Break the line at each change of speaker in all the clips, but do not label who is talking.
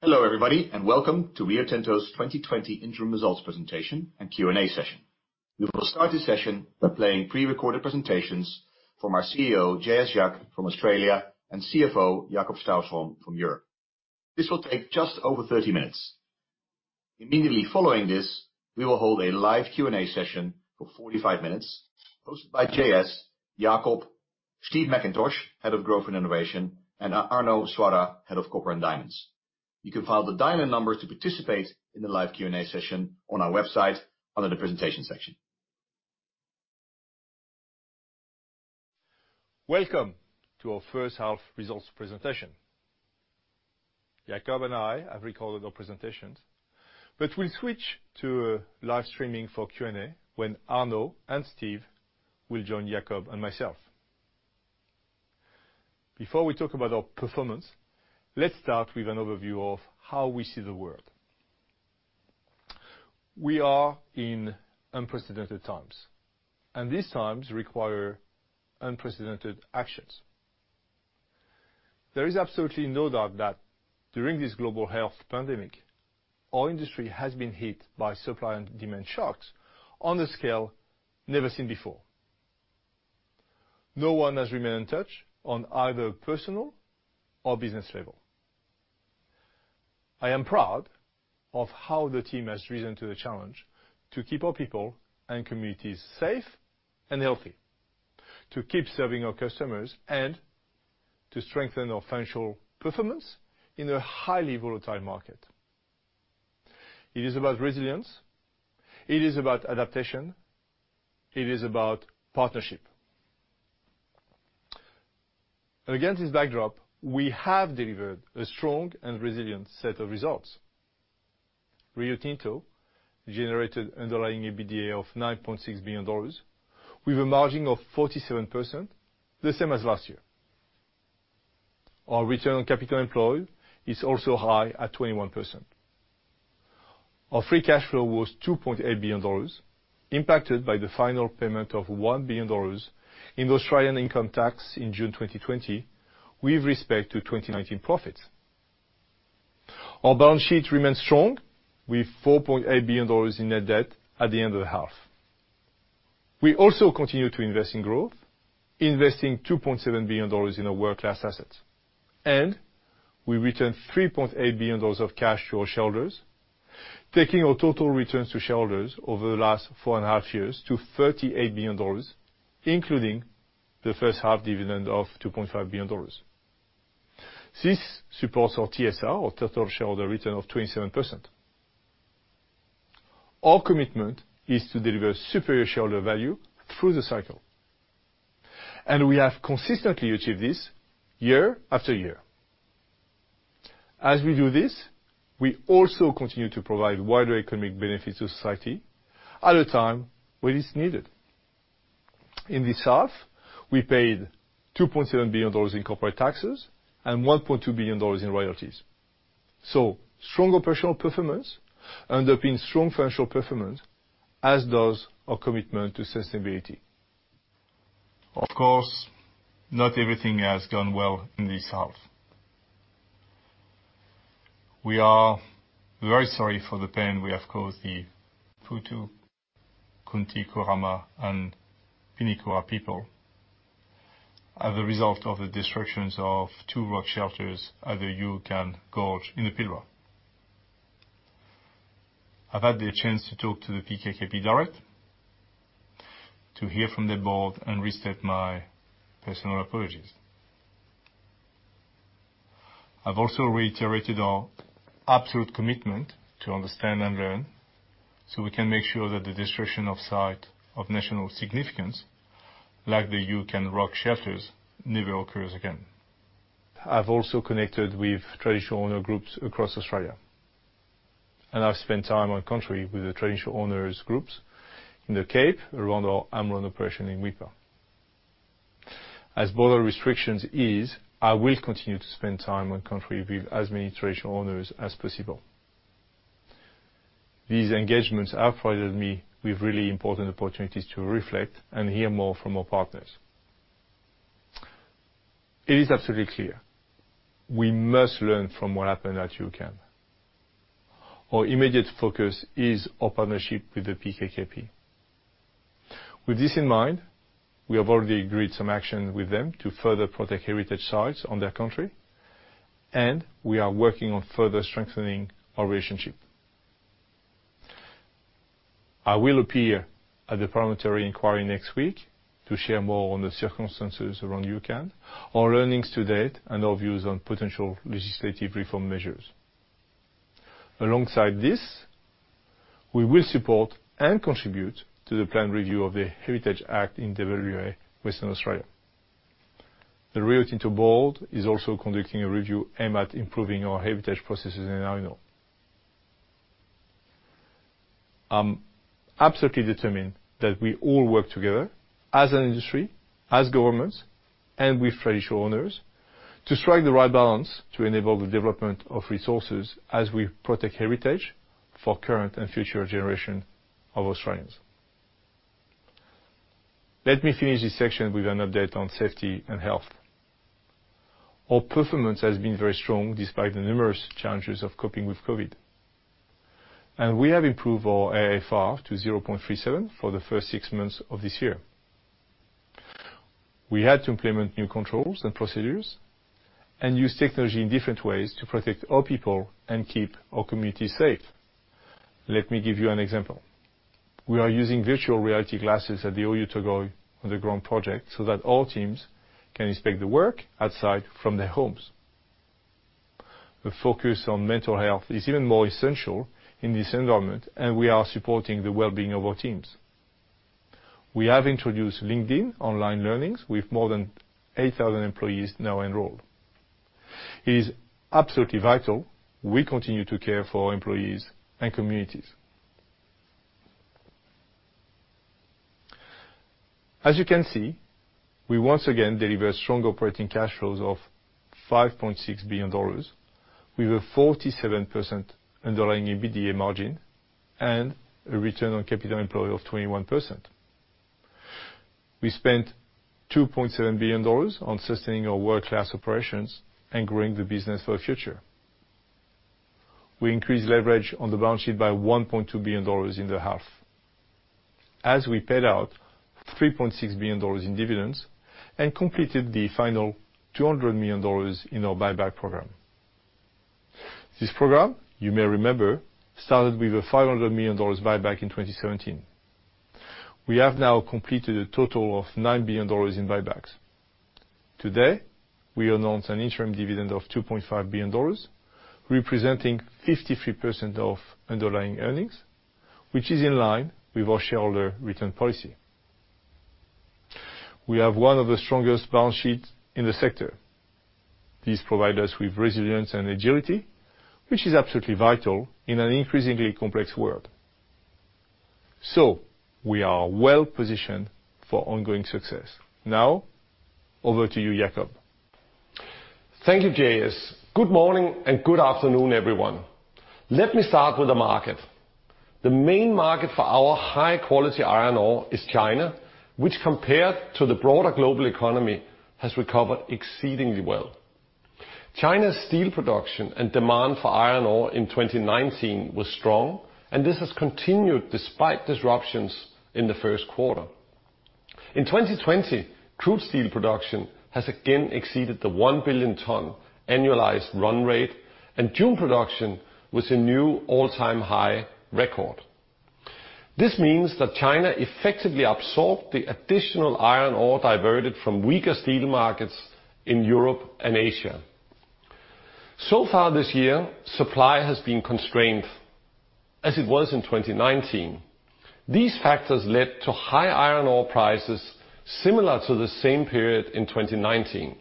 Hello everybody, welcome to Rio Tinto's 2020 interim results presentation and Q&A session. We will start this session by playing pre-recorded presentations from our CEO, Jean-Sébastien Jacques from Australia and CFO Jakob Stausholm from Europe. This will take just over 30 minutes. Immediately following this, we will hold a live Q&A session for 45 minutes hosted by JS, Jakob, Steve McIntosh, Head of Growth and Innovation, and Arnaud Soirat, Head of Copper and Diamonds. You can find the dial-in numbers to participate in the live Q&A session on our website under the presentations section.
Welcome to our first half results presentation. Jakob and I have recorded our presentations, but we'll switch to live streaming for Q&A when Arnaud and Steve will join Jakob and myself. Before we talk about our performance, let's start with an overview of how we see the world. We are in unprecedented times. These times require unprecedented actions. There is absolutely no doubt that during this global health pandemic, our industry has been hit by supply and demand shocks on a scale never seen before. No one has remained untouched on either personal or business level. I am proud of how the team has risen to the challenge to keep our people and communities safe and healthy, to keep serving our customers, and to strengthen our financial performance in a highly volatile market. It is about resilience. It is about adaptation. It is about partnership. Against this backdrop, we have delivered a strong and resilient set of results. Rio Tinto generated underlying EBITDA of $9.6 billion with a margin of 47%, the same as last year. Our return on capital employed is also high at 21%. Our free cash flow was $2.8 billion, impacted by the final payment of $1 billion in Australian income tax in June 2020, with respect to 2019 profits. Our balance sheet remains strong, with $4.8 billion in net debt at the end of the half. We also continue to invest in growth, investing $2.7 billion in our world-class assets, and we returned $3.8 billion of cash to our shareholders, taking our total returns to shareholders over the last four and a half years to $38 billion, including the first half dividend of $2.5 billion. This supports our TSR or Total Shareholder Return of 27%. Our commitment is to deliver superior shareholder value through the cycle, and we have consistently achieved this year after year. As we do this, we also continue to provide wider economic benefits to society at a time when it's needed. In this half, we paid $2.7 billion in corporate taxes and $1.2 billion in royalties. Strong operational performance underpinning strong financial performance, as does our commitment to sustainability. Of course, not everything has gone well in this half. We are very sorry for the pain we have caused the Puutu Kunti Kurrama and Pinikura people as a result of the destructions of two rock shelters at the Juukan Gorge in the Pilbara. I've had the chance to talk to the PKKP direct to hear from their board and restate my personal apologies. I've also reiterated our absolute commitment to understand and learn so we can make sure that the destruction of site of national significance, like the Juukan rock shelters, never occurs again. I've also connected with traditional owner groups across Australia, and I've spent time on country with the traditional owners groups in the Cape around our Amrun operation in Weipa. As border restrictions ease, I will continue to spend time on country with as many traditional owners as possible. These engagements have provided me with really important opportunities to reflect and hear more from our partners. It is absolutely clear we must learn from what happened at Juukan. Our immediate focus is our partnership with the PKKP. With this in mind, we have already agreed some action with them to further protect heritage sites on their country, and we are working on further strengthening our relationship. I will appear at the parliamentary inquiry next week to share more on the circumstances around Juukan, our learnings to date, and our views on potential legislative reform measures. Alongside this, we will support and contribute to the planned review of the Heritage Act in W.A., Western Australia. The Rio Tinto Board is also conducting a review aimed at improving our heritage processes in iron ore. I'm absolutely determined that we all work together as an industry, as governments, and with traditional owners to strike the right balance to enable the development of resources as we protect heritage for current and future generations of Australians. Let me finish this section with an update on safety and health. Our performance has been very strong despite the numerous challenges of coping with COVID, and we have improved our AFR to 0.37 for the first six months of this year. We had to implement new controls and procedures and use technology in different ways to protect our people and keep our community safe. Let me give you an example. We are using virtual reality glasses at the Oyu Tolgoi underground project so that all teams can inspect the work outside from their homes. The focus on mental health is even more essential in this environment, and we are supporting the well-being of our teams. We have introduced LinkedIn Learning, with more than 8,000 employees now enrolled. It is absolutely vital we continue to care for our employees and communities. As you can see, we once again deliver strong operating cash flows of $5.6 billion with a 47% underlying EBITDA margin and a return on capital employed of 21%. We spent $2.7 billion on sustaining our world-class operations and growing the business for the future. We increased leverage on the balance sheet by $1.2 billion in the half, as we paid out $3.6 billion in dividends and completed the final $200 million in our buyback program. This program, you may remember, started with a $500 million buyback in 2017. We have now completed a total of $9 billion in buybacks. Today, we announced an interim dividend of $2.5 billion, representing 53% of underlying earnings, which is in line with our shareholder return policy. We have one of the strongest balance sheets in the sector. This provide us with resilience and agility, which is absolutely vital in an increasingly complex world. We are well-positioned for ongoing success. Now, over to you, Jakob.
Thank you, J-S. Good morning and good afternoon, everyone. Let me start with the market. The main market for our high-quality iron ore is China, which, compared to the broader global economy, has recovered exceedingly well. China's steel production and demand for iron ore in 2019 was strong, and this has continued despite disruptions in the first quarter. In 2020, crude steel production has again exceeded the 1 billion ton annualized run rate, and June production was a new all-time high record. This means that China effectively absorbed the additional iron ore diverted from weaker steel markets in Europe and Asia. Far this year, supply has been constrained as it was in 2019. These factors led to high iron ore prices similar to the same period in 2019.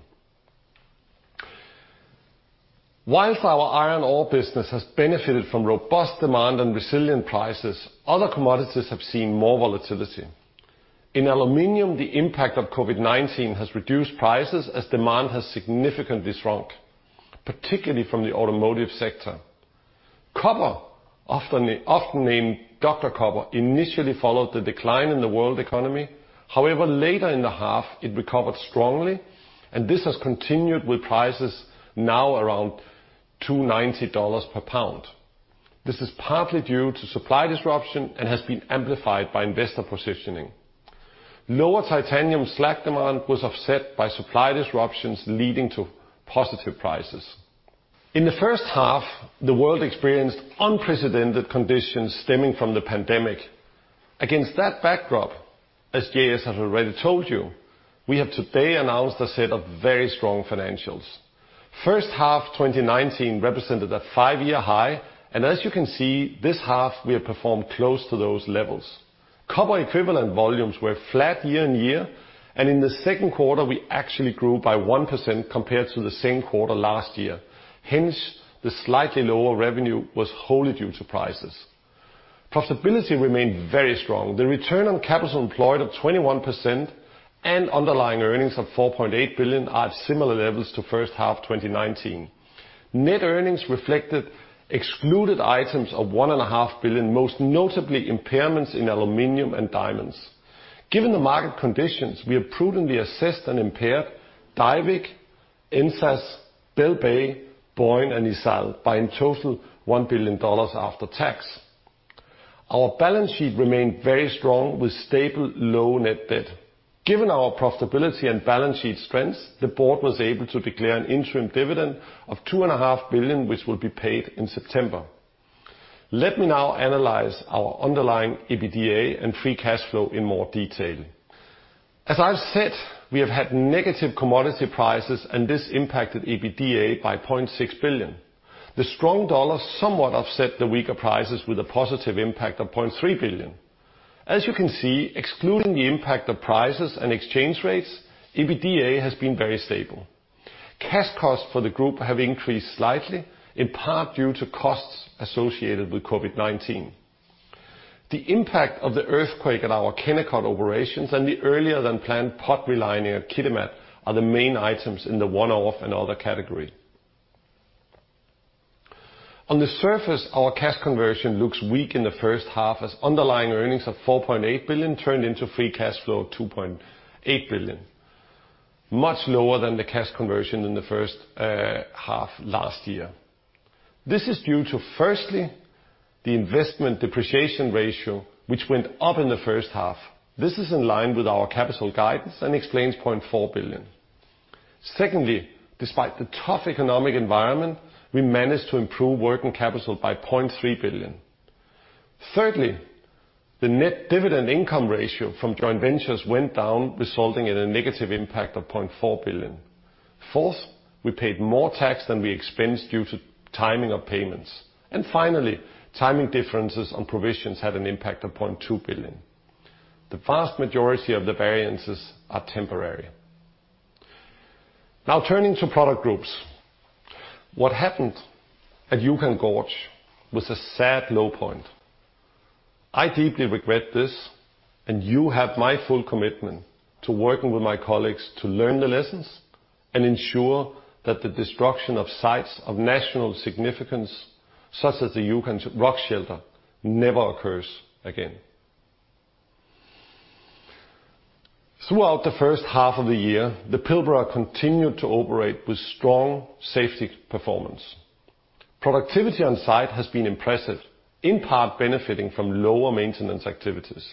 Whilst our iron ore business has benefited from robust demand and resilient prices, other commodities have seen more volatility. In aluminium, the impact of COVID-19 has reduced prices as demand has significantly shrunk, particularly from the automotive sector. Copper, often named Dr. Copper, initially followed the decline in the world economy. Later in the half, it recovered strongly, and this has continued with prices now around $290 per pound. This is partly due to supply disruption and has been amplified by investor positioning. Lower titanium slag demand was offset by supply disruptions, leading to positive prices. In the first half, the world experienced unprecedented conditions stemming from the pandemic. Against that backdrop, as J-S has already told you, we have today announced a set of very strong financials. First half 2019 represented a five-year high, and as you can see, this half we have performed close to those levels. Copper equivalent volumes were flat year-on-year, in the second quarter, we actually grew by 1% compared to the same quarter last year. Hence, the slightly lower revenue was wholly due to prices. Profitability remained very strong. The return on capital employed of 21% and underlying earnings of $4.8 billion are at similar levels to first half 2019. Net earnings reflected excluded items of $1.5 billion, most notably impairments in aluminium and diamonds. Given the market conditions, we have prudently assessed and impaired Diavik, NZAS, Bell Bay, Boyne, and ISAL by, in total, $1 billion after tax. Our balance sheet remained very strong with stable, low net debt. Given our profitability and balance sheet strengths, the board was able to declare an interim dividend of $2.5 billion, which will be paid in September. Let me now analyze our underlying EBITDA and free cash flow in more detail. As I've said, we have had negative commodity prices. This impacted EBITDA by $0.6 billion. The strong dollar somewhat offset the weaker prices with a positive impact of $0.3 billion. As you can see, excluding the impact of prices and exchange rates, EBITDA has been very stable. Cash costs for the group have increased slightly, in part due to costs associated with COVID-19. The impact of the earthquake at our Kennecott operations and the earlier-than-planned pot relining at Kitimat are the main items in the one-off and other category. On the surface, our cash conversion looks weak in the first half as underlying earnings of $4.8 billion turned into free cash flow of $2.8 billion, much lower than the cash conversion in the first half last year. This is due to firstly, the investment depreciation ratio, which went up in the first half. This is in line with our capital guidance and explains $0.4 billion. Secondly, despite the tough economic environment, we managed to improve working capital by $0.3 billion. Thirdly, the net dividend income ratio from joint ventures went down, resulting in a negative impact of $0.4 billion. Fourth, we paid more tax than we expensed due to timing of payments. Finally, timing differences on provisions had an impact of $0.2 billion. The vast majority of the variances are temporary. Now turning to product groups. What happened at Juukan Gorge was a sad low point. I deeply regret this, and you have my full commitment to working with my colleagues to learn the lessons, and ensure that the destruction of sites of national significance, such as the Juukan Rock Shelter, never occurs again. Throughout the first half of the year, the Pilbara continued to operate with strong safety performance. Productivity on site has been impressive, in part benefiting from lower maintenance activities.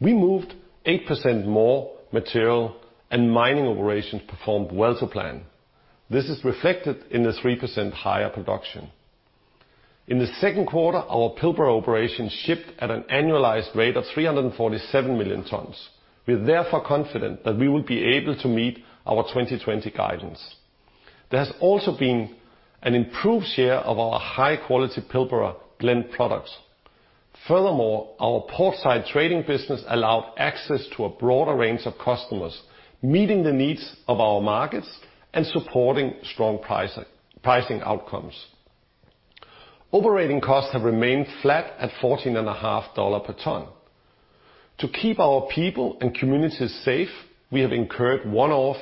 We moved 8% more material and mining operations performed well to plan. This is reflected in the 3% higher production. In the second quarter, our Pilbara operations shipped at an annualized rate of 347 million tons. We are therefore confident that we will be able to meet our 2020 guidance. There has also been an improved share of our high-quality Pilbara Blend products. Our port side trading business allowed access to a broader range of customers, meeting the needs of our markets and supporting strong pricing outcomes. Operating costs have remained flat at $14.50 per ton. To keep our people and communities safe, we have incurred one-off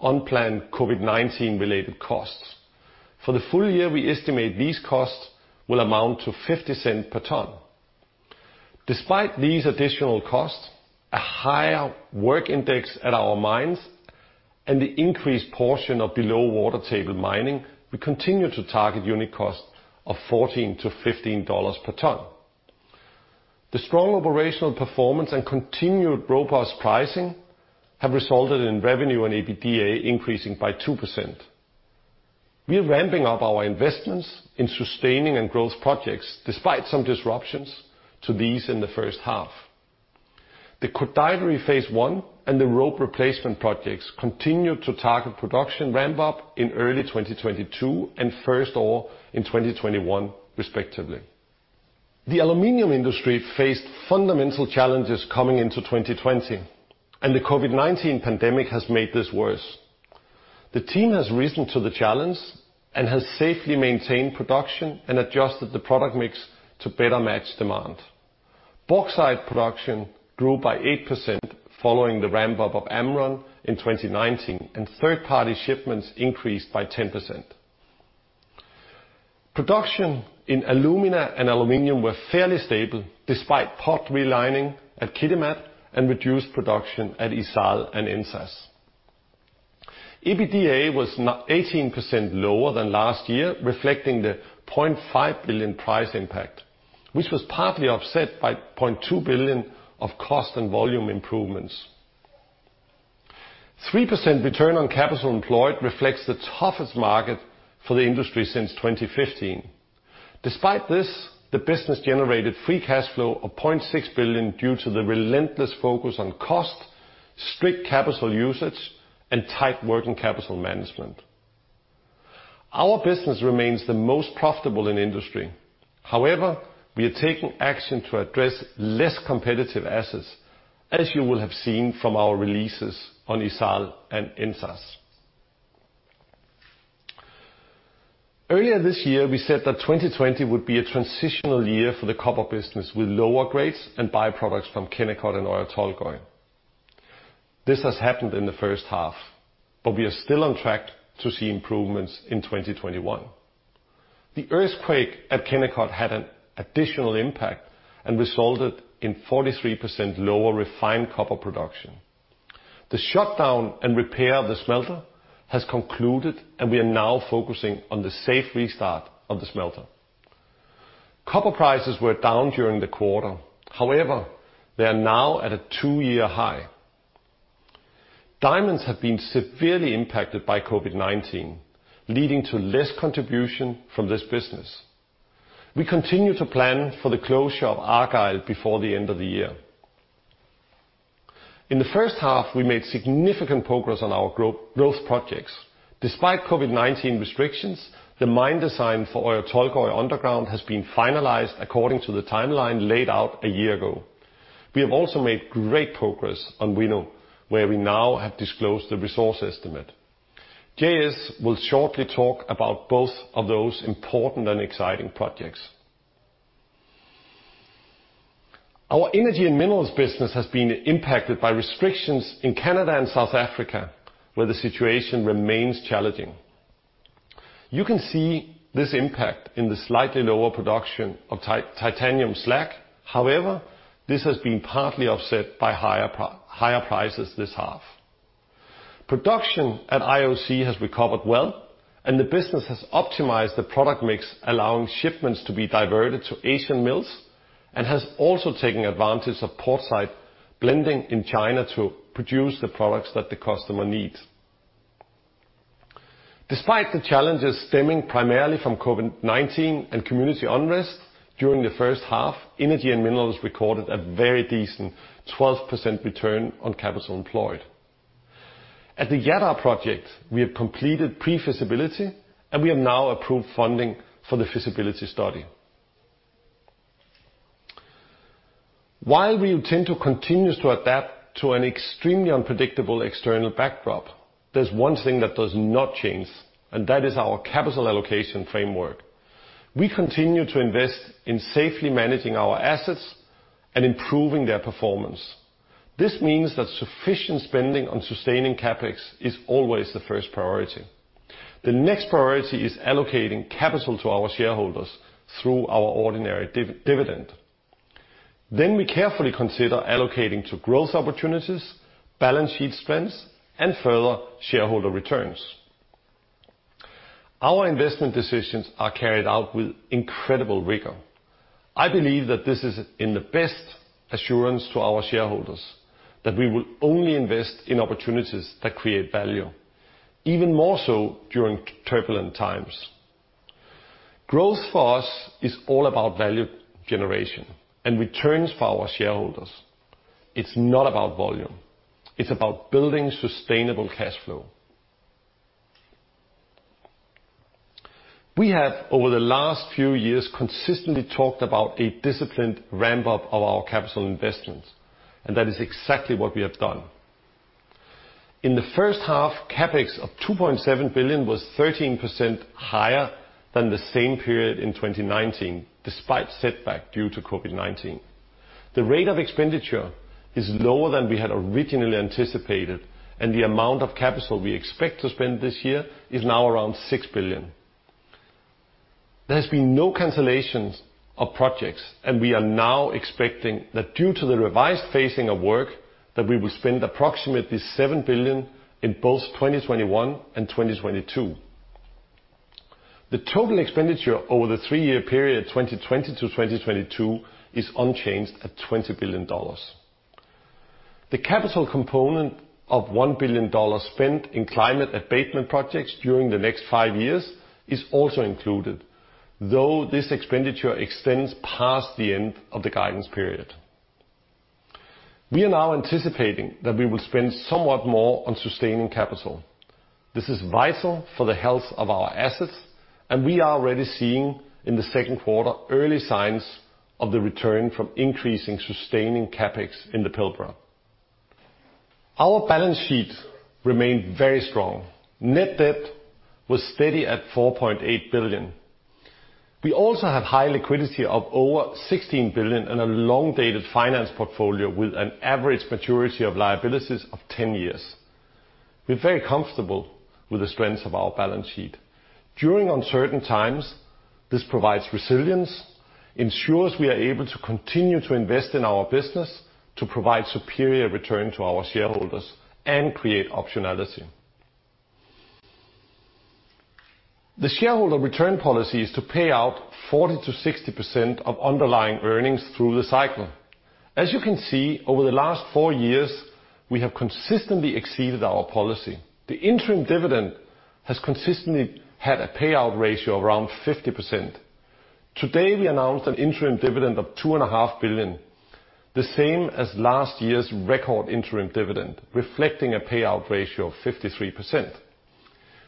unplanned COVID-19 related costs. For the full year, we estimate these costs will amount to $0.50 per ton. Despite these additional costs, a higher work index at our mines, and the increased portion of below-water table mining, we continue to target unit cost of $14-$15 per ton. The strong operational performance and continued robust pricing have resulted in revenue and EBITDA increasing by 2%. We are ramping up our investments in sustaining and growth projects, despite some disruptions to these in the first half. The Koodaideri phase I and the Robe replacement projects continue to target production ramp-up in early 2022, and first ore in 2021, respectively. The aluminium industry faced fundamental challenges coming into 2020, and the COVID-19 pandemic has made this worse. The team has risen to the challenge and has safely maintained production and adjusted the product mix to better match demand. Bauxite production grew by 8% following the ramp-up of Amrun in 2019, and third-party shipments increased by 10%. Production in alumina and aluminum were fairly stable, despite pot relining at Kitimat and reduced production at ISAL and NZAS. EBITDA was 18% lower than last year, reflecting the $0.5 billion price impact, which was partly offset by $0.2 billion of cost and volume improvements. 3% return on capital employed reflects the toughest market for the industry since 2015. Despite this, the business generated free cash flow of $0.6 billion due to the relentless focus on cost, strict capital usage, and tight working capital management. Our business remains the most profitable in the industry. We are taking action to address less competitive assets, as you will have seen from our releases on ISAL and NZAS. Earlier this year, we said that 2020 would be a transitional year for the copper business with lower grades and by-products from Kennecott and Oyu Tolgoi. This has happened in the first half. We are still on track to see improvements in 2021. The earthquake at Kennecott had an additional impact and resulted in 43% lower refined copper production. The shutdown and repair of the smelter has concluded, and we are now focusing on the safe restart of the smelter. Copper prices were down during the quarter. However, they are now at a 2-year high. Diamonds have been severely impacted by COVID-19, leading to less contribution from this business. We continue to plan for the closure of Argyle before the end of the year. In the first half, we made significant progress on our growth projects. Despite COVID-19 restrictions, the mine design for Oyu Tolgoi underground has been finalized according to the timeline laid out a year ago. We have also made great progress on Winu, where we now have disclosed the resource estimate. J-S will shortly talk about both of those important and exciting projects. Our energy and minerals business has been impacted by restrictions in Canada and South Africa, where the situation remains challenging. You can see this impact in the slightly lower production of titanium slag. This has been partly offset by higher prices this half. Production at IOC has recovered well, the business has optimized the product mix, allowing shipments to be diverted to Asian mills, has also taken advantage of port site blending in China to produce the products that the customer needs. Despite the challenges stemming primarily from COVID-19 and community unrest during the first half, energy and minerals recorded a very decent 12% return on capital employed. At the Jadar project, we have completed pre-feasibility, we have now approved funding for the feasibility study. While Rio Tinto continues to adapt to an extremely unpredictable external backdrop, there's one thing that does not change, and that is our capital allocation framework. We continue to invest in safely managing our assets and improving their performance. This means that sufficient spending on sustaining CapEx is always the first priority. The next priority is allocating capital to our shareholders through our ordinary dividend. We carefully consider allocating to growth opportunities, balance sheet strengths, and further shareholder returns. Our investment decisions are carried out with incredible rigor. I believe that this is in the best assurance to our shareholders that we will only invest in opportunities that create value, even more so during turbulent times. Growth for us is all about value generation and returns for our shareholders. It's not about volume. It's about building sustainable cash flow. We have, over the last few years, consistently talked about a disciplined ramp-up of our capital investments, and that is exactly what we have done. In the first half, CapEx of $2.7 billion was 13% higher than the same period in 2019, despite setback due to COVID-19. The rate of expenditure is lower than we had originally anticipated, the amount of capital we expect to spend this year is now around $6 billion. There has been no cancellations of projects, We are now expecting that due to the revised phasing of work, that we will spend approximately $7 billion in both 2021 and 2022. The total expenditure over the three-year period, 2020 to 2022, is unchanged at $20 billion. The capital component of $1 billion spent in climate abatement projects during the next five years is also included, though this expenditure extends past the end of the guidance period. We are now anticipating that we will spend somewhat more on sustaining capital. This is vital for the health of our assets, and we are already seeing, in the second quarter, early signs of the return from increasing sustaining CapEx in the Pilbara. Our balance sheet remained very strong. Net debt was steady at $4.8 billion. We also have high liquidity of over $16 billion and a long date of finance portfolio with an average maturity of liabilities of 10 years. We're very comfortable with the strengths of our balance sheet. During uncertain times, this provides resilience, ensures we are able to continue to invest in our business to provide superior return to our shareholders, and create optionality. The shareholder return policy is to pay out 40%-60% of underlying earnings through the cycle. As you can see, over the last four years, we have consistently exceeded our policy. The interim dividend has consistently had a payout ratio of around 50%. Today, we announced an interim dividend of $2.5 billion, the same as last year's record interim dividend, reflecting a payout ratio of 53%.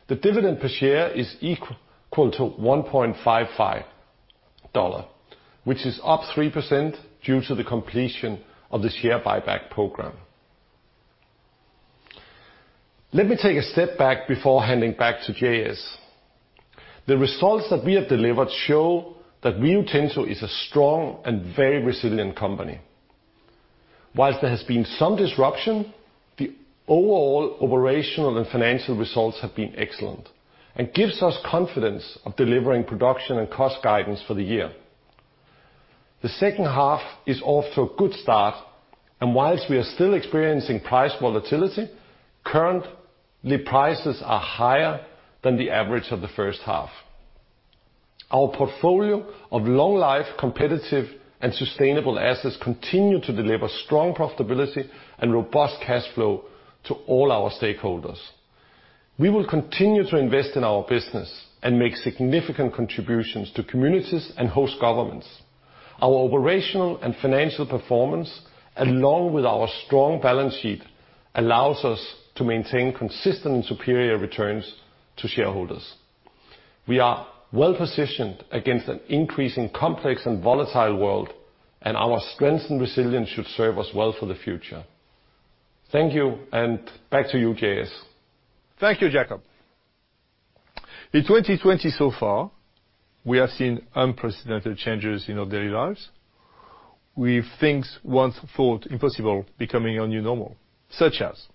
The dividend per share is equal to $1.55, which is up 3% due to the completion of the share buyback program. Let me take a step back before handing back to J-S. The results that we have delivered show that Rio Tinto is a strong and very resilient company. While there has been some disruption, the overall operational and financial results have been excellent and gives us confidence of delivering production and cost guidance for the year. The second half is off to a good start, and whilst we are still experiencing price volatility, currently prices are higher than the average of the first half. Our portfolio of long life, competitive, and sustainable assets continue to deliver strong profitability and robust cash flow to all our stakeholders. We will continue to invest in our business and make significant contributions to communities and host governments. Our operational and financial performance, along with our strong balance sheet, allows us to maintain consistent and superior returns to shareholders. We are well-positioned against an increasing complex and volatile world, and our strengths and resilience should serve us well for the future. Thank you, and back to you, J-S.
Thank you, Jakob. In 2020 so far, we have seen unprecedented changes in our daily lives, with things once thought impossible becoming our new normal, such as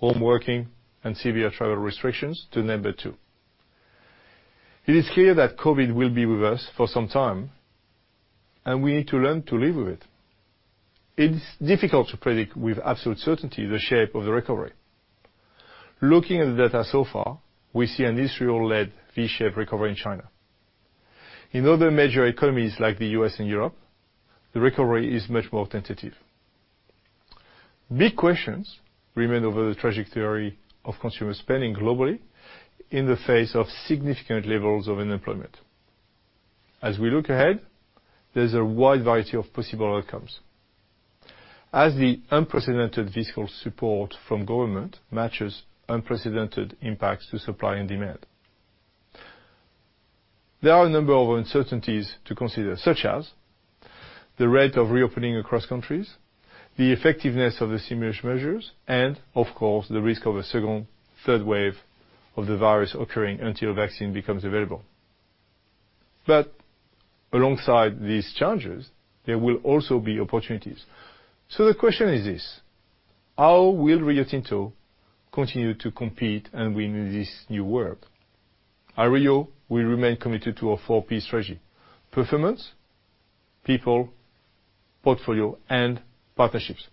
home working and severe travel restrictions to name but two. It is clear that COVID will be with us for some time, and we need to learn to live with it. It's difficult to predict with absolute certainty the shape of the recovery. Looking at the data so far, we see an infrastructure-led V-shaped recovery in China. In other major economies like the U.S. and Europe, the recovery is much more tentative. Big questions remain over the trajectory of consumer spending globally in the face of significant levels of unemployment. As we look ahead, there's a wide variety of possible outcomes. As the unprecedented fiscal support from government matches unprecedented impacts to supply and demand. There are a number of uncertainties to consider, such as the rate of reopening across countries, the effectiveness of the stimulus measures, and of course, the risk of a second, third wave of the virus occurring until a vaccine becomes available. Alongside these challenges, there will also be opportunities. The question is this: how will Rio Tinto continue to compete and win in this new world? At Rio, we remain committed to our four-piece strategy, performance, people, portfolio, and partnerships.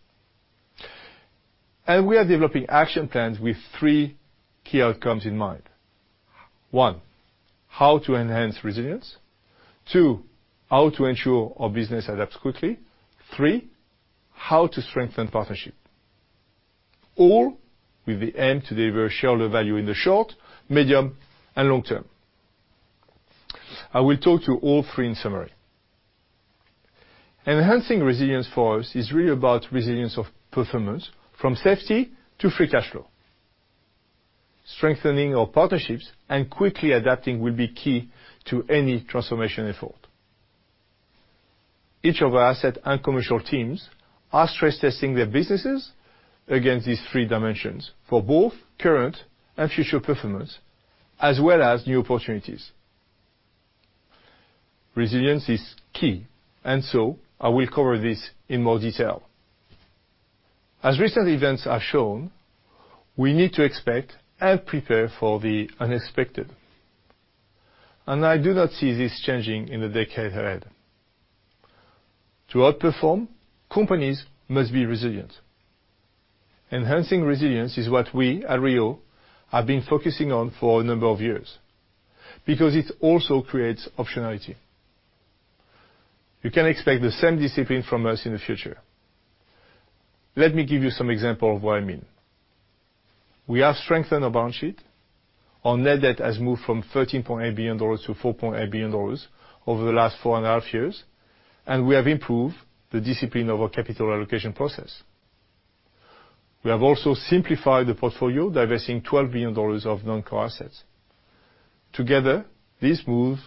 We are developing action plans with three key outcomes in mind. One, how to enhance resilience. Two, how to ensure our business adapts quickly. Three, how to strengthen partnership. All with the aim to deliver shareholder value in the short, medium, and long term. I will talk to all three in summary. Enhancing resilience for us is really about resilience of performance from safety to free cash flow. Strengthening our partnerships and quickly adapting will be key to any transformation effort. Each of our asset and commercial teams are stress testing their businesses against these three dimensions for both current and future performance, as well as new opportunities. Resilience is key. I will cover this in more detail. As recent events have shown, we need to expect and prepare for the unexpected. I do not see this changing in the decade ahead. To outperform, companies must be resilient. Enhancing resilience is what we at Rio have been focusing on for a number of years because it also creates optionality. You can expect the same discipline from us in the future. Let me give you some examples of what I mean. We have strengthened our balance sheet. Our net debt has moved from $13.8 billion to $4.8 billion over the last four and a half years. We have improved the discipline of our capital allocation process. We have also simplified the portfolio, divesting $12 billion of non-core assets. Together, these moves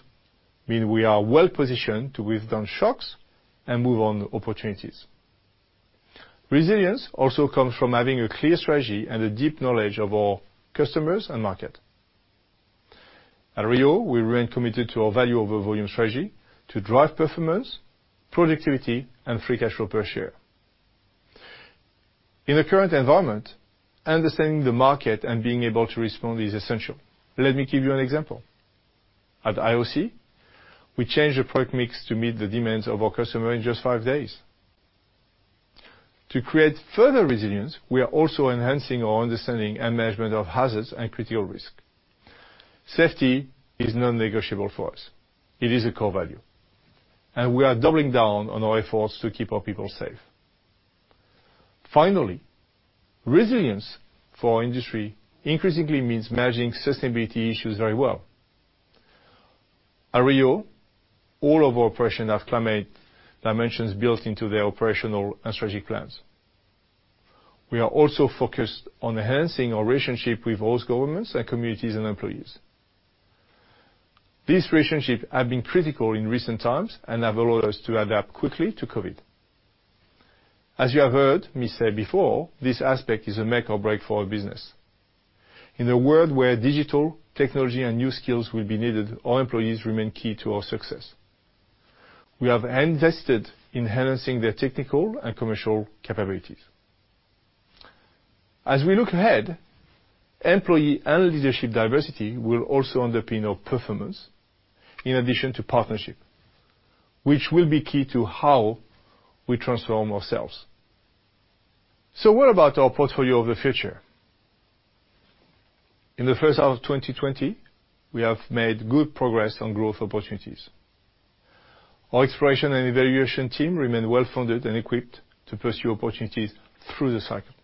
mean we are well-positioned to withstand shocks and move on opportunities. Resilience also comes from having a clear strategy and a deep knowledge of our customers and market. At Rio, we remain committed to our value over volume strategy to drive performance, productivity, and free cash flow per share. In the current environment, understanding the market and being able to respond is essential. Let me give you an example. At IOC, we changed the product mix to meet the demands of our customer in just five days. To create further resilience, we are also enhancing our understanding and management of hazards and critical risk. Safety is non-negotiable for us. It is a core value, and we are doubling down on our efforts to keep our people safe. Finally, resilience for our industry increasingly means managing sustainability issues very well. At Rio, all of our operations have climate dimensions built into their operational and strategy plans. We are also focused on enhancing our relationship with host governments and communities and employees. These relationships have been critical in recent times and have allowed us to adapt quickly to COVID. As you have heard me say before, this aspect is a make or break for our business. In a world where digital technology and new skills will be needed, our employees remain key to our success. We have invested in enhancing their technical and commercial capabilities. As we look ahead, employee and leadership diversity will also underpin our performance in addition to partnership, which will be key to how we transform ourselves. What about our portfolio of the future? In the first half of 2020, we have made good progress on growth opportunities. Our exploration and evaluation team remain well-funded and equipped to pursue opportunities through the cycle.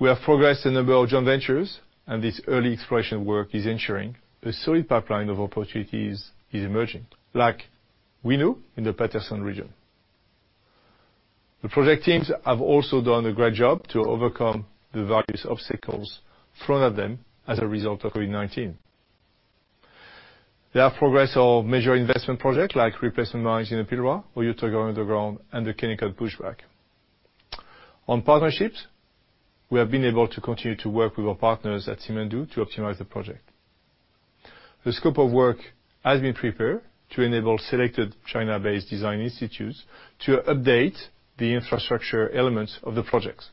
We have progressed a number of joint ventures, and this early exploration work is onshoring a solid pipeline of opportunities is emerging, like Winu in the Paterson region. The project teams have also done a great job to overcome the various obstacles thrown at them as a result of COVID-19. There are progress of major investment project like replacement mines in Pilbara, Oyu Tolgoi Underground, and the Kennecott pushback. On partnerships, we have been able to continue to work with our partners at Simandou to optimize the project. The scope of work has been prepared to enable selected China-based design institutes to update the infrastructure elements of the projects.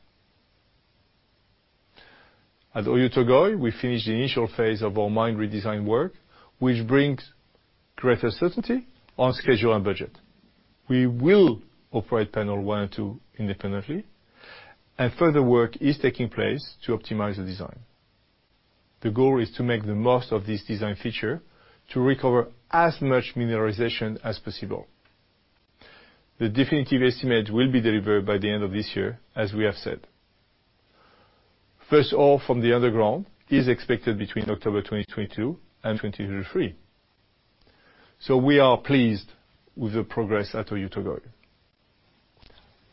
At Oyu Tolgoi, we finished the initial phase of our mine redesign work, which brings greater certainty on schedule and budget. We will operate panel 1 and 2 independently, and further work is taking place to optimize the design. The goal is to make the most of this design feature to recover as much mineralization as possible. The definitive estimate will be delivered by the end of this year, as we have said. First off, from the underground is expected between October 2022 and 2023. We are pleased with the progress at Oyu Tolgoi.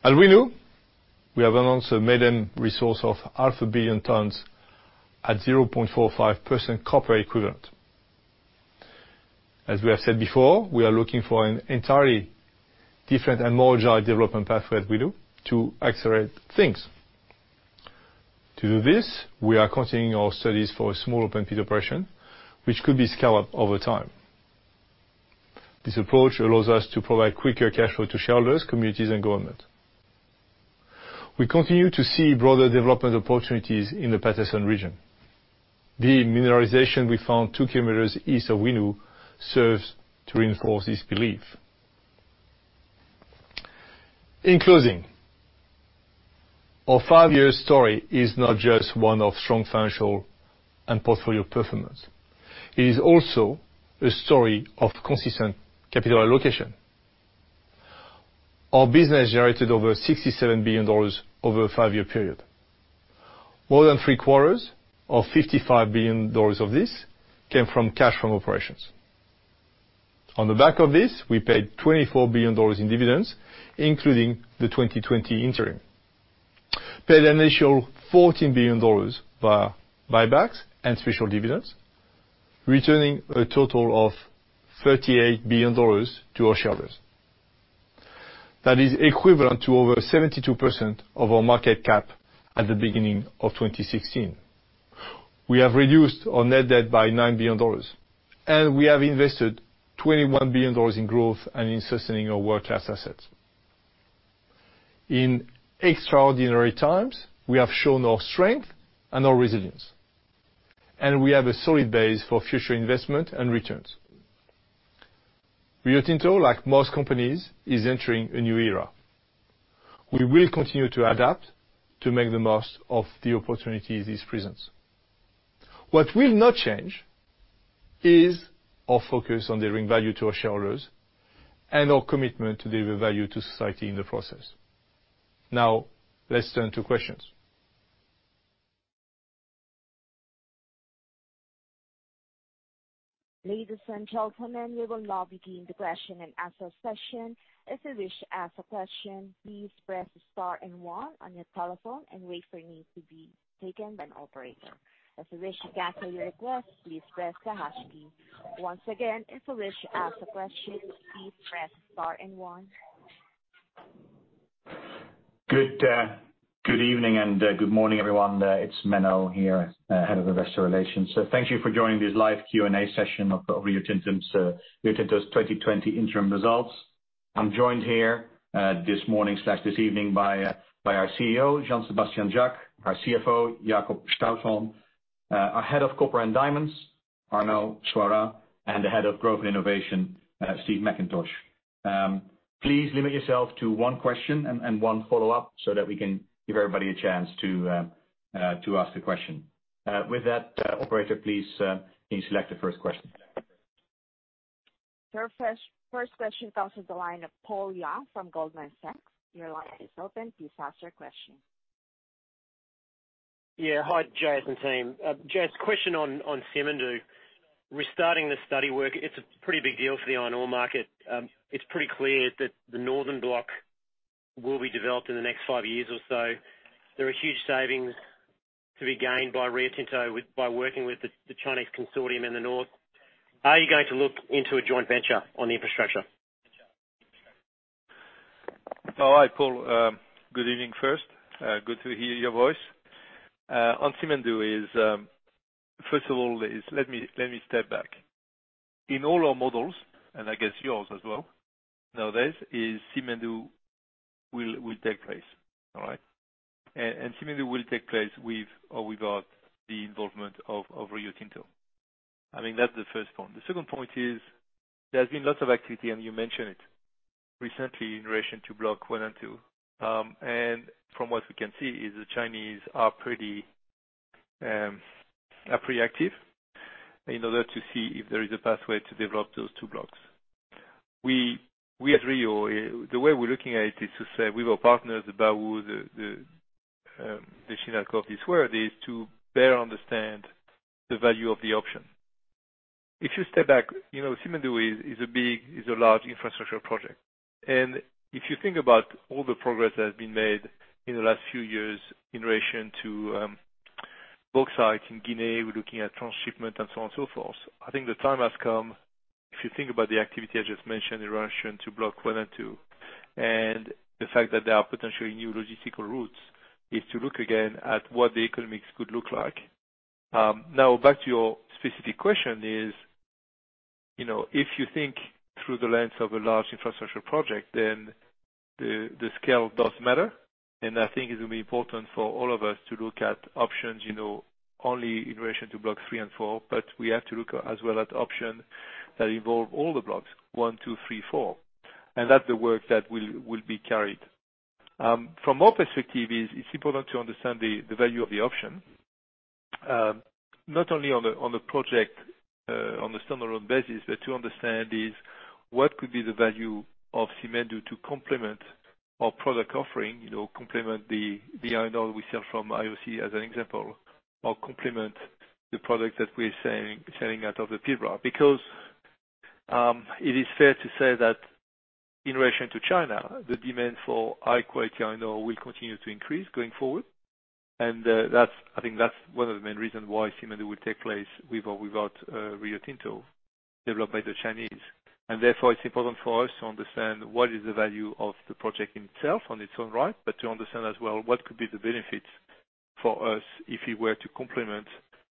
At Winu, we have announced a maiden resource of half a billion tonnes at 0.45% copper equivalent. As we have said before, we are looking for an entirely different and more agile development pathway at Winu to accelerate things. To do this, we are continuing our studies for a small open pit operation, which could be scaled up over time. This approach allows us to provide quicker cash flow to shareholders, communities, and government. We continue to see broader development opportunities in the Paterson region. The mineralization we found 2 kilometers east of Winu serves to reinforce this belief. In closing, our five-year story is not just one of strong financial and portfolio performance, it is also a story of consistent capital allocation. Our business generated over $67 billion over a five-year period. More than three-quarters, or $55 billion of this, came from cash from operations. On the back of this, we paid $24 billion in dividends, including the 2020 interim. Paid an initial $14 billion via buybacks and special dividends, returning a total of $38 billion to our shareholders. That is equivalent to over 72% of our market cap at the beginning of 2016. We have reduced our net debt by $9 billion, and we have invested $21 billion in growth and in sustaining our world-class assets. In extraordinary times, we have shown our strength and our resilience, and we have a solid base for future investment and returns. Rio Tinto, like most companies, is entering a new era. We will continue to adapt to make the most of the opportunities this presents. What will not change is our focus on delivering value to our shareholders and our commitment to deliver value to society in the process. Now, let's turn to questions.
Ladies and gentlemen, we will now begin the question and answer session. If you wish to ask a question, please press star and one on your telephone and wait for your name to be taken by an operator. If you wish to cancel your request, please press the hash key. Once again, if you wish to ask a question, please press star and one.
Good evening and good morning, everyone. It's Menno here, Head of Investor Relations. Thank you for joining this live Q&A session of Rio Tinto's 2020 interim results. I'm joined here this morning/this evening by our CEO, Jean-Sébastien Jacques, our CFO, Jakob Stausholm, our Head of Copper and Diamonds, Arnaud Soirat, and the Head of Growth and Innovation, Steve McIntosh. Please limit yourself to one question and one follow-up so that we can give everybody a chance to ask a question. With that, operator, please, can you select the first question?
Sure. First question comes to the line of Paul Young from Goldman Sachs. Your line is open. Please ask your question.
Hi, J-S and team. J-S, question on Simandou. Restarting the study work, it's a pretty big deal for the iron ore market. It's pretty clear that the northern block will be developed in the next five years or so. There are huge savings to be gained by Rio Tinto by working with the Chinese consortium in the north. Are you going to look into a joint venture on the infrastructure?
All right, Paul. Good evening first. Good to hear your voice. On Simandou, first of all, let me step back. In all our models, and I guess yours as well, nowadays, is Simandou will take place. All right. Simandou will take place with or without the involvement of Rio Tinto. That's the first point. The second point is, there's been lots of activity, and you mentioned it, recently in relation to block 1 and 2. From what we can see is the Chinese are pretty active in order to see if there is a pathway to develop those 2 blocks. We at Rio, the way we're looking at it is to say with our partners, the Baowu, the Chinalco is where it is to better understand the value of the option. If you step back, Simandou is a large infrastructure project. If you think about all the progress that has been made in the last few years in relation to. Bauxite in Guinea, we're looking at trans-shipment and so on and so forth. I think the time has come, if you think about the activity I just mentioned in relation to Block 1 and 2, and the fact that there are potentially new logistical routes, is to look again at what the economics could look like. Back to your specific question is, if you think through the lens of a large infrastructure project, then the scale does matter. I think it will be important for all of us to look at options, only in relation to Block 3 and 4, but we have to look as well at options that involve all the blocks, 1, 2, 3, 4. That's the work that will be carried. From our perspective, it's important to understand the value of the option. Not only on the project, on a stand-alone basis, but to understand is, what could be the value of Simandou to complement our product offering, complement the iron ore we sell from IOC as an example, or complement the product that we are selling out of the Pilbara. It is fair to say that in relation to China, the demand for high-quality iron ore will continue to increase going forward. I think that's one of the main reasons why Simandou will take place with or without Rio Tinto, developed by the Chinese. Therefore, it's important for us to understand what is the value of the project itself on its own right, but to understand as well what could be the benefit for us if we were to complement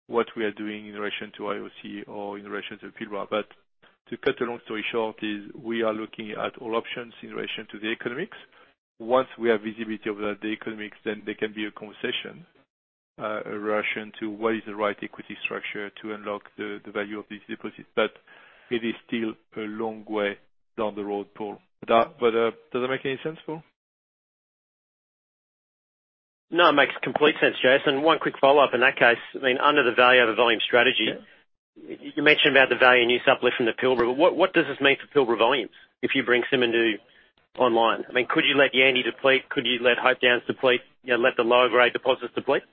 what we are doing in relation to IOC or in relation to Pilbara. To cut a long story short is, we are looking at all options in relation to the economics. Once we have visibility over the economics, then there can be a conversation, in relation to what is the right equity structure to unlock the value of this deposit. It is still a long way down the road, Paul. Does that make any sense, Paul?
No, it makes complete sense, J-S. One quick follow-up in that case, under the value over volume strategy.
Yeah.
You mentioned about the value in new supply from the Pilbara. What does this mean for Pilbara volumes if you bring Simandou online? Could you let Yandi deplete? Could you let Hope Downs deplete, let the low-grade deposits deplete?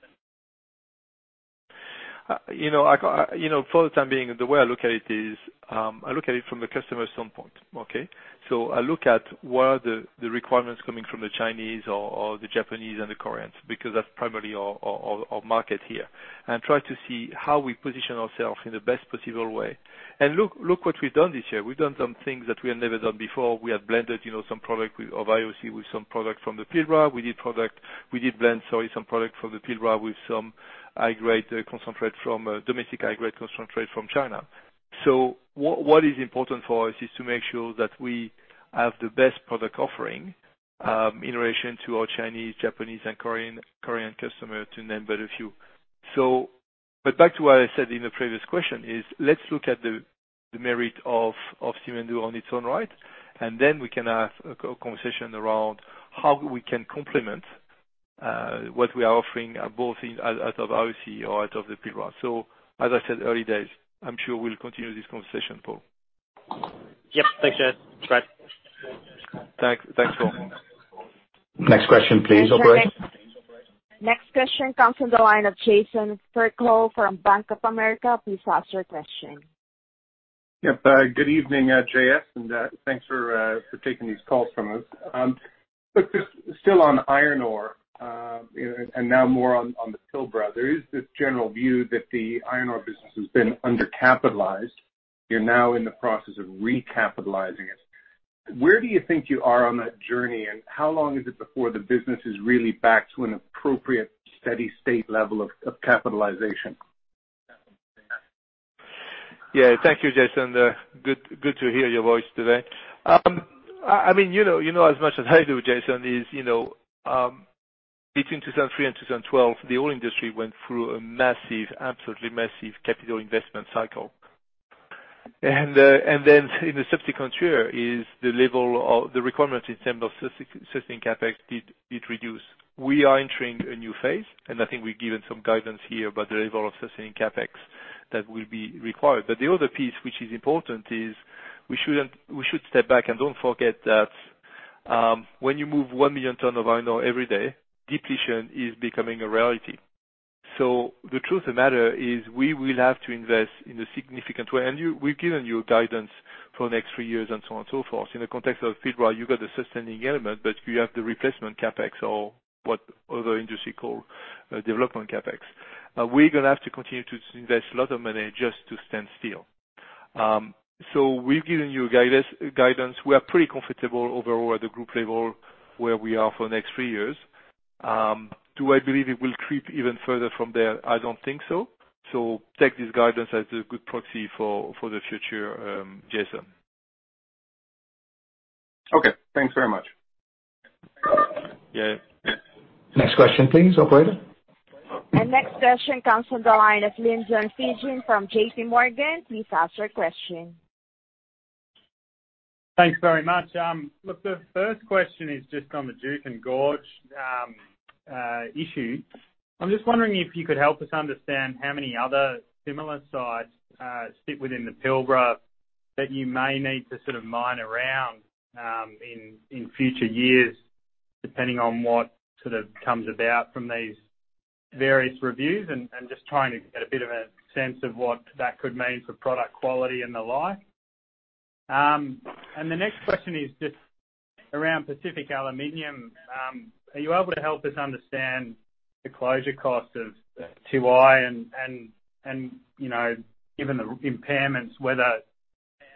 For the time being, the way I look at it is, I look at it from the customer's standpoint, okay? I look at what are the requirements coming from the Chinese or the Japanese and the Koreans, because that's primarily our market here, and try to see how we position ourselves in the best possible way. Look what we've done this year. We've done some things that we had never done before. We have blended some product of IOC with some product from the Pilbara. We did blend, sorry, some product from the Pilbara with some high-grade concentrate from, domestic high-grade concentrate from China. What is important for us is to make sure that we have the best product offering, in relation to our Chinese, Japanese, and Korean customer, to name but a few. Back to what I said in the previous question is, let's look at the merit of Simandou on its own right, and then we can have a conversation around how we can complement what we are offering both out of IOC or out of the Pilbara. As I said, early days. I'm sure we'll continue this conversation, Paul.
Yep. Thanks, J-S. Great.
Thanks. Thanks, Paul.
Next question please, operator.
Next question comes from the line of Jason Fairclough from Bank of America. Please ask your question.
Yep. Good evening, J-S, thanks for taking these calls from us. Still on iron ore, now more on the Pilbara. There is this general view that the iron ore business has been undercapitalized. You're now in the process of recapitalizing it. Where do you think you are on that journey, how long is it before the business is really back to an appropriate steady state level of capitalization?
Thank you, Jason. Good to hear your voice today. You know as much as I do, Jason, between 2003 and 2012, the oil industry went through an absolutely massive capital investment cycle. In the subsequent year, the level of the requirements in terms of sustaining CapEx did reduce. We are entering a new phase. I think we've given some guidance here about the level of sustaining CapEx that will be required. The other piece which is important is, we should step back and don't forget that, when you move 1 million ton of iron ore every day, depletion is becoming a reality. The truth of the matter is we will have to invest in a significant way. We've given you guidance for the next three years and so on and so forth. In the context of Pilbara, you've got the sustaining element, you have the replacement CapEx or what other industry call development CapEx. We're going to have to continue to invest a lot of money just to stand still. We've given you guidance. We are pretty comfortable overall at the group level where we are for the next three years. Do I believe it will creep even further from there? I don't think so. Take this guidance as a good proxy for the future, Jason.
Okay. Thanks very much.
Yeah.
Next question please, operator.
The next question comes from the line of Lyndon Fagan from JPMorgan. Please ask your question.
Thanks very much. Look, the first question is just on the Juukan Gorge issue. I'm just wondering if you could help us understand how many other similar sites sit within the Pilbara that you may need to mine around in future years, depending on what comes about from these various reviews. Just trying to get a bit of a sense of what that could mean for product quality and the like. The next question is just around Pacific Aluminium. Are you able to help us understand the closure cost of Tiwai and, given the impairments, whether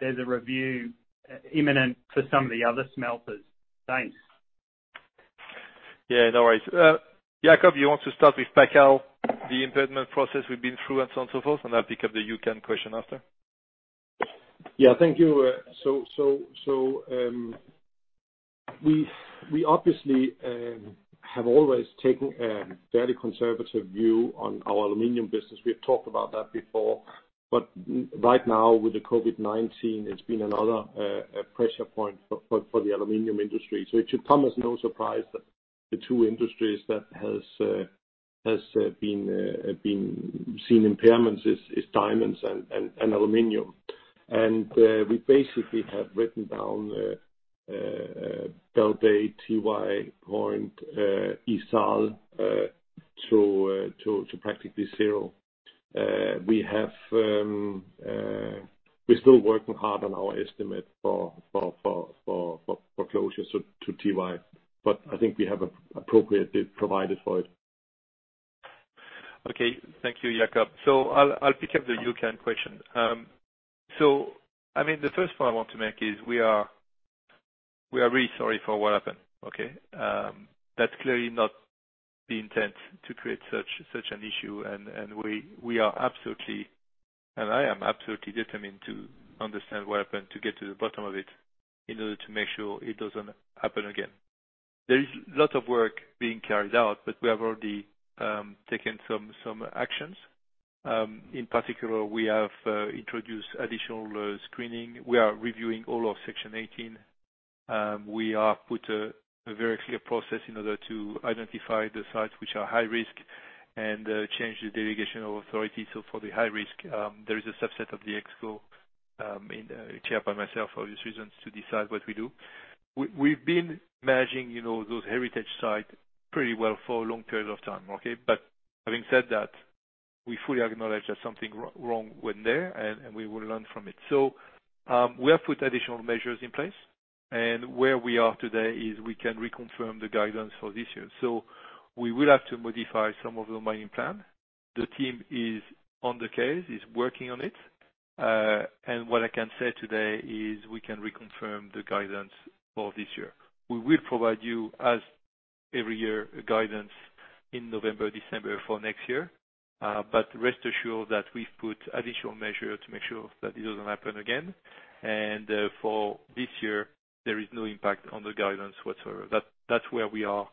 there's a review imminent for some of the other smelters? Thanks.
Yeah, no worries. Jakob, you want to start with PacAl, the impairment process we've been through, and so on and so forth, and I'll pick up the Juukan question after?
Thank you. We obviously have always taken a very conservative view on our aluminium business. We have talked about that before. Right now, with the COVID-19, it's been another pressure point for the aluminium industry. It should come as no surprise that the two industries that has been seen impairments is diamonds and aluminium. We basically have written down Bell Bay, Tiwai Point, ISAL to practically zero. We're still working hard on our estimate for closure to Tiwai, but I think we have appropriately provided for it.
Okay. Thank you, Jakob. I'll pick up the Juukan question. The first point I want to make is we are really sorry for what happened. That's clearly not the intent to create such an issue and we are absolutely, and I am absolutely determined to understand what happened, to get to the bottom of it in order to make sure it doesn't happen again. There is a lot of work being carried out, but we have already taken some actions. In particular, we have introduced additional screening. We are reviewing all of Section 18. We have put a very clear process in order to identify the sites which are high risk and change the delegation of authority. For the high risk, there is a subset of the ExCo chaired by myself, for obvious reasons, to decide what we do. We've been managing those heritage sites pretty well for a long period of time, okay? Having said that, we fully acknowledge that something wrong went there and we will learn from it. We have put additional measures in place, and where we are today is we can reconfirm the guidance for this year. We will have to modify some of the mining plan. The team is on the case, is working on it. What I can say today is we can reconfirm the guidance for this year. We will provide you, as every year, a guidance in November, December for next year. Rest assured that we've put additional measure to make sure that it doesn't happen again. For this year, there is no impact on the guidance whatsoever. That's where we are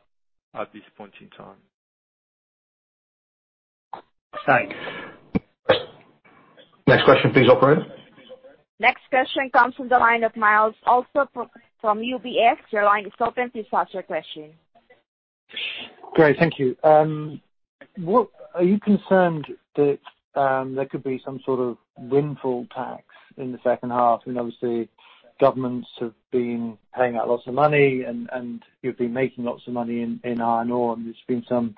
at this point in time.
Thanks.
Next question please, operator.
Next question comes from the line of Myles Allsop from UBS. Your line is open to start your question.
Great. Thank you. Are you concerned that there could be some sort of windfall tax in the second half? Obviously, governments have been paying out lots of money and you've been making lots of money in iron ore, and there's been some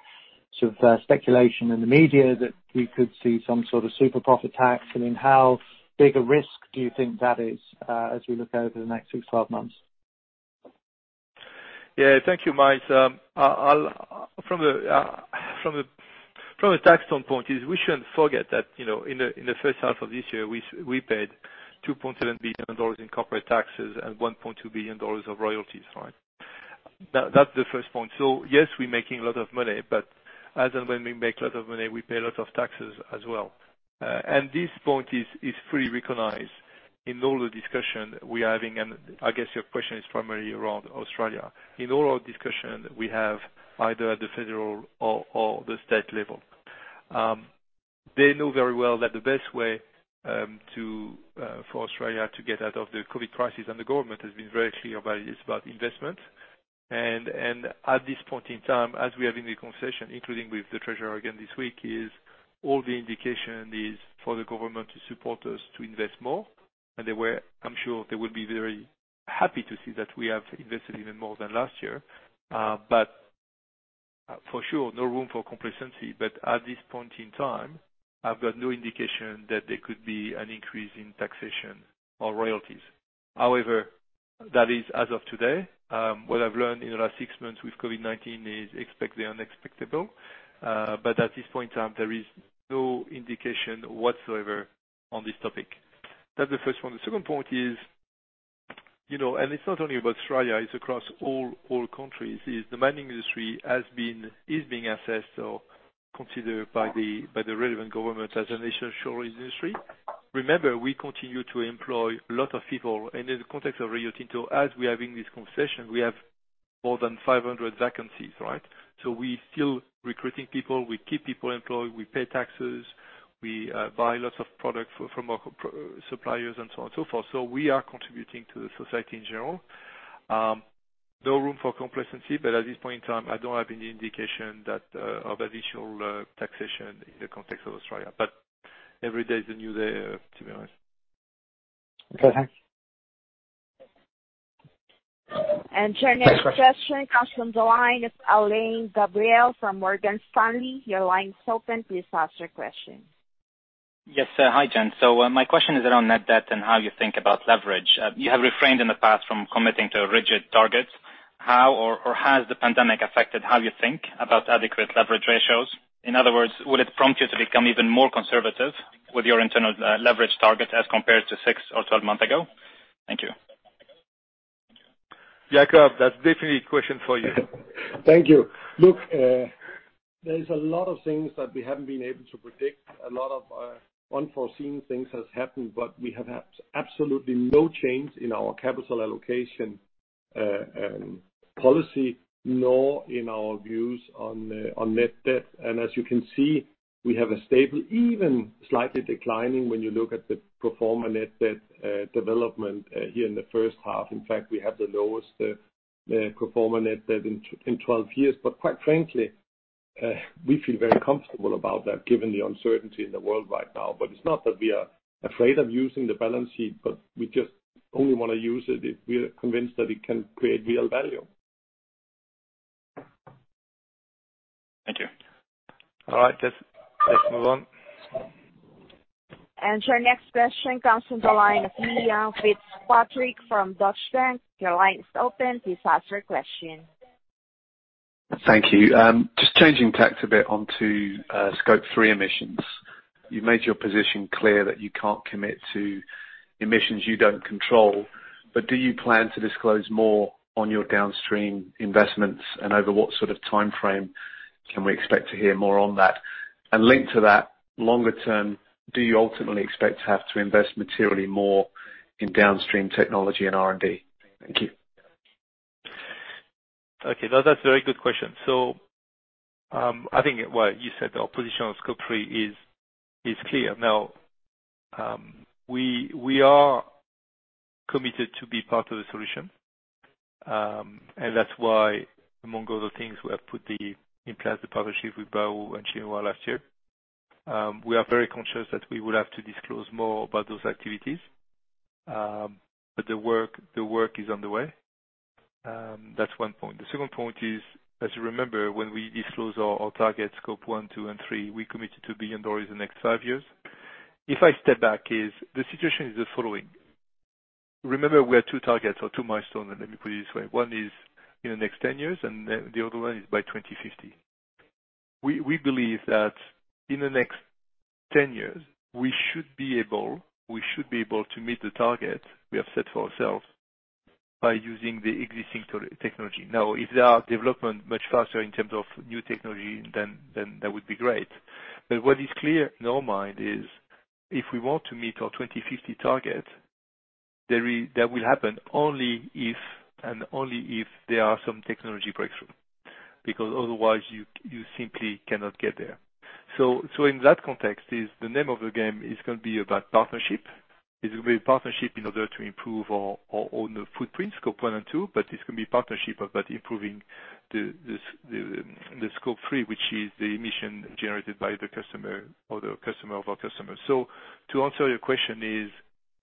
sort of speculation in the media that we could see some sort of super profit tax. I mean, how big a risk do you think that is as we look over the next six to 12 months?
Yeah. Thank you, Myles. From a tax standpoint is we shouldn't forget that, in the first half of this year, we paid $2.7 billion in corporate taxes and $1.2 billion of royalties. That's the first point. Yes, we're making a lot of money, but as and when we make a lot of money, we pay a lot of taxes as well. This point is fully recognized in all the discussion we are having, and I guess your question is primarily around Australia. In all our discussion, we have either at the federal or the state level. They know very well that the best way for Australia to get out of the COVID-19 crisis, and the government has been very clear about it, is about investment. At this point in time, as we are having the concession, including with the treasurer again this week, is all the indication is for the government to support us to invest more, and I'm sure they will be very happy to see that we have invested even more than last year. For sure, no room for complacency, but at this point in time, I've got no indication that there could be an increase in taxation or royalties. However, that is as of today. What I've learned in the last six months with COVID-19 is expect the unexpectable. At this point in time, there is no indication whatsoever on this topic. That's the first one. The second point is, and it's not only about Australia, it's across all countries, is the mining industry is being assessed or considered by the relevant government as a national insurance industry. Remember, we continue to employ a lot of people. In the context of Rio Tinto, as we are having this concession, we have more than 500 vacancies, right? We still recruiting people. We keep people employed. We pay taxes. We buy lots of product from our suppliers and so on and so forth. We are contributing to the society in general. No room for complacency, but at this point in time, I don't have any indication of additional taxation in the context of Australia. Every day is a new day, to be honest.
Okay. Thanks.
Your next question comes from the line of Alain Gabriel from Morgan Stanley. Your line is open. Please ask your question.
Yes. Hi, Jean. My question is around net debt and how you think about leverage. You have refrained in the past from committing to rigid targets. How or has the pandemic affected how you think about adequate leverage ratios? In other words, would it prompt you to become even more conservative with your internal leverage target as compared to six or 12 months ago? Thank you.
Jakob, that's definitely a question for you.
Thank you. Look, there's a lot of things that we haven't been able to predict. A lot of unforeseen things have happened. We have had absolutely no change in our capital allocation policy nor in our views on net debt. As you can see, we have a stable, even slightly declining when you look at the pro forma net debt development here in the first half. In fact, we have the lowest pro forma net debt in 12 years. Quite frankly, we feel very comfortable about that given the uncertainty in the world right now. It's not that we are afraid of using the balance sheet, but we just only want to use it if we are convinced that it can create real value.
Thank you.
All right. Let's move on.
Your next question comes from the line of Liam Fitzpatrick from Deutsche Bank. Your line is open. Please ask your question.
Thank you. Just changing tack a bit onto Scope 3 emissions. You've made your position clear that you can't commit to emissions you don't control. Do you plan to disclose more on your downstream investments, and over what sort of time frame can we expect to hear more on that? Linked to that, longer term, do you ultimately expect to have to invest materially more in downstream technology and R&D? Thank you.
Okay. That's a very good question. I think what you said, our position on Scope 3 is clear. Now, we are committed to be part of the solution. That's why, among other things, we have put in place the partnership with Baowu in China last year. We are very conscious that we will have to disclose more about those activities, the work is on the way. That's one point. The second point is, as you remember, when we disclose our target Scope 1, 2, and 3, we committed to dollar billion in the next five years. If I step back, the situation is the following. Remember, we are two targets or two milestones. Let me put it this way. One is in the next 10 years, the other one is by 2050. We believe that in the next 10 years, we should be able to meet the target we have set for ourselves by using the existing technology. If there are development much faster in terms of new technology, then that would be great. What is clear in our mind is if we want to meet our 2050 target, that will happen only if, and only if, there are some technology breakthrough, because otherwise you simply cannot get there. In that context, the name of the game is going to be about partnership. It will be partnership in order to improve our own footprint, Scope 1 and 2, but it's going to be partnership about improving the Scope 3, which is the emission generated by the customer or the customer of our customer. To answer your question is,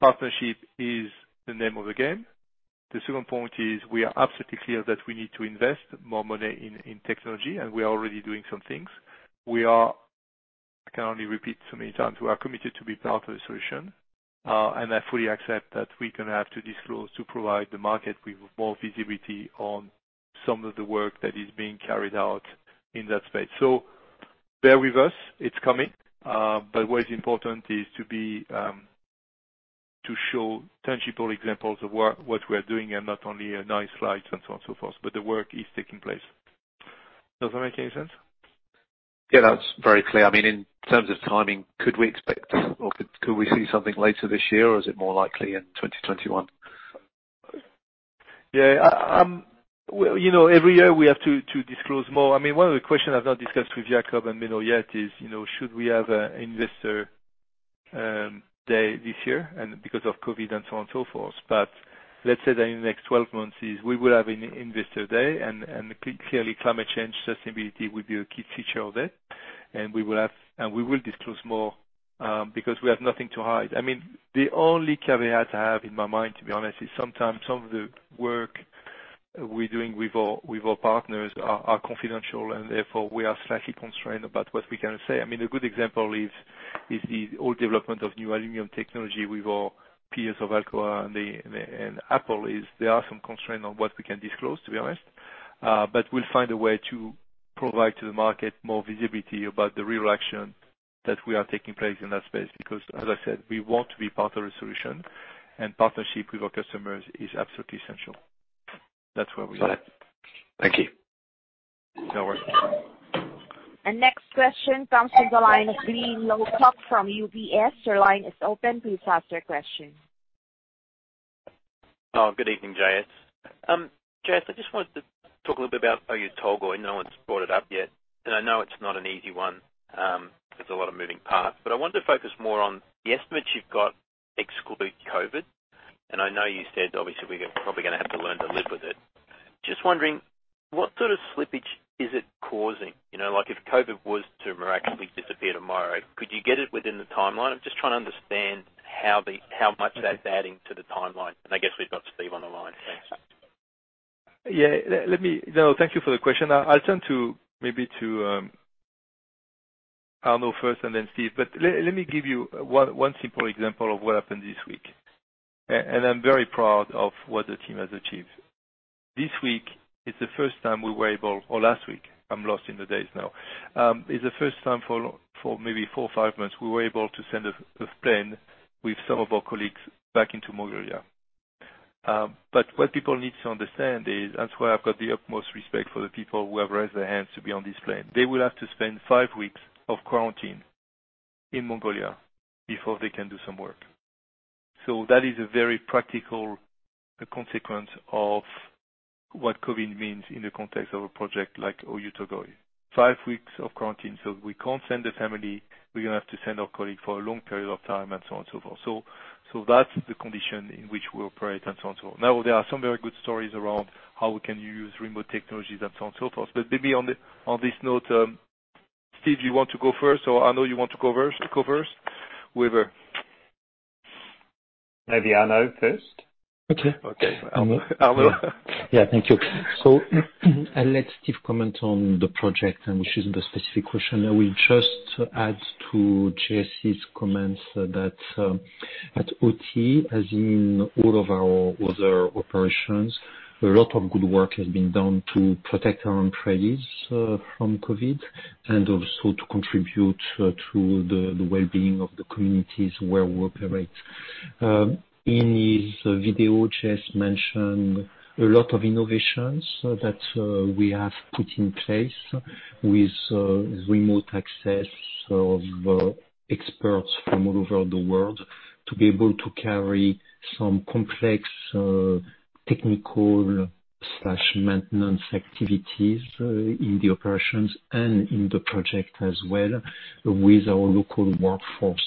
partnership is the name of the game. The second point is we are absolutely clear that we need to invest more money in technology, and we are already doing some things. I can only repeat so many times, we are committed to be part of the solution, and I fully accept that we are going to have to disclose to provide the market with more visibility on some of the work that is being carried out in that space. Bear with us. It's coming. What is important is to show tangible examples of what we are doing and not only a nice slide and so on and so forth. The work is taking place. Does that make any sense?
Yeah, that's very clear. In terms of timing, could we expect or could we see something later this year? Is it more likely in 2021?
Yeah. Every year we have to disclose more. One of the questions I've not discussed with Jakob and Menno yet is, should we have an investor day this year? Because of COVID and so on and so forth. Let's say that in the next 12 months is we will have an investor day, and clearly climate change sustainability will be a key feature of it. We will disclose more, because we have nothing to hide. The only caveat I have in my mind, to be honest, is sometimes some of the work we're doing with our partners are confidential, and therefore we are slightly constrained about what we can say. A good example is the all development of new aluminium technology with our peers of Alcoa and Apple is there are some constraints on what we can disclose, to be honest. We'll find a way to provide to the market more visibility about the real action that we are taking place in that space, because as I said, we want to be part of the solution, and partnership with our customers is absolutely essential. That's where we are.
Got it. Thank you.
No worries.
Next question comes from the line of Glyn Lawcock from UBS. Your line is open. Please ask your question.
Oh, good evening, J-S. J-S, I just wanted to talk a little bit about how Oyu Tolgoi going. No one's brought it up yet, and I know it's not an easy one. There's a lot of moving parts. I wanted to focus more on the estimates you've got exclude COVID-19, and I know you said obviously we're probably going to have to learn to live with it. Just wondering, what sort of slippage is it causing? If COVID-19 was to miraculously disappear tomorrow, could you get it within the timeline? I'm just trying to understand how much that's adding to the timeline. I guess we've got Steve on the line. Thanks.
Yeah. Thank you for the question. I'll turn maybe to Arnaud first and then Steve. Let me give you one simple example of what happened this week. I'm very proud of what the team has achieved. This week is the first time we were able, or last week, I'm lost in the days now. It's the first time for maybe four or five months, we were able to send a plane with some of our colleagues back into Mongolia. What people need to understand is, that's why I've got the utmost respect for the people who have raised their hands to be on this plane. They will have to spend five weeks of quarantine in Mongolia before they can do some work. That is a very practical consequence of what COVID means in the context of a project like Oyu Tolgoi. Five weeks of quarantine. We can't send a family. We're going to have to send our colleague for a long period of time and so on and so forth. That's the condition in which we operate and so on and so on. There are some very good stories around how we can use remote technologies and so on and so forth. Maybe on this note, Steve, you want to go first, or Arnaud, you want to go first? Whoever.
Maybe Arnaud first.
Okay.
Okay.
Arnaud.
Thank you. I'll let Steve comment on the project and which is the specific question. I will just add to J-S's comments that at OT, as in all of our other operations, a lot of good work has been done to protect our own trades from COVID, and also to contribute to the wellbeing of the communities where we operate. In his video, J-S mentioned a lot of innovations that we have put in place with remote access of experts from all over the world to be able to carry some complex technical/maintenance activities in the operations and in the project as well with our local workforce.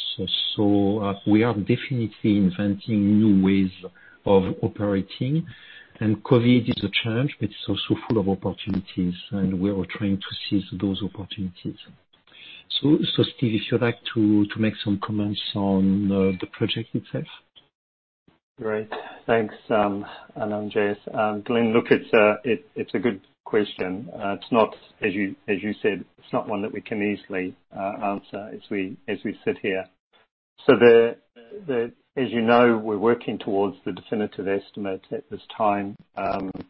We are definitely inventing new ways of operating. COVID is a challenge, but it's also full of opportunities, and we are trying to seize those opportunities. Steve, if you'd like to make some comments on the project itself.
Great. Thanks, Arnaud and J-S. Glyn, look, it's a good question. As you said, it's not one that we can easily answer as we sit here. As you know, we're working towards the definitive estimate at this time.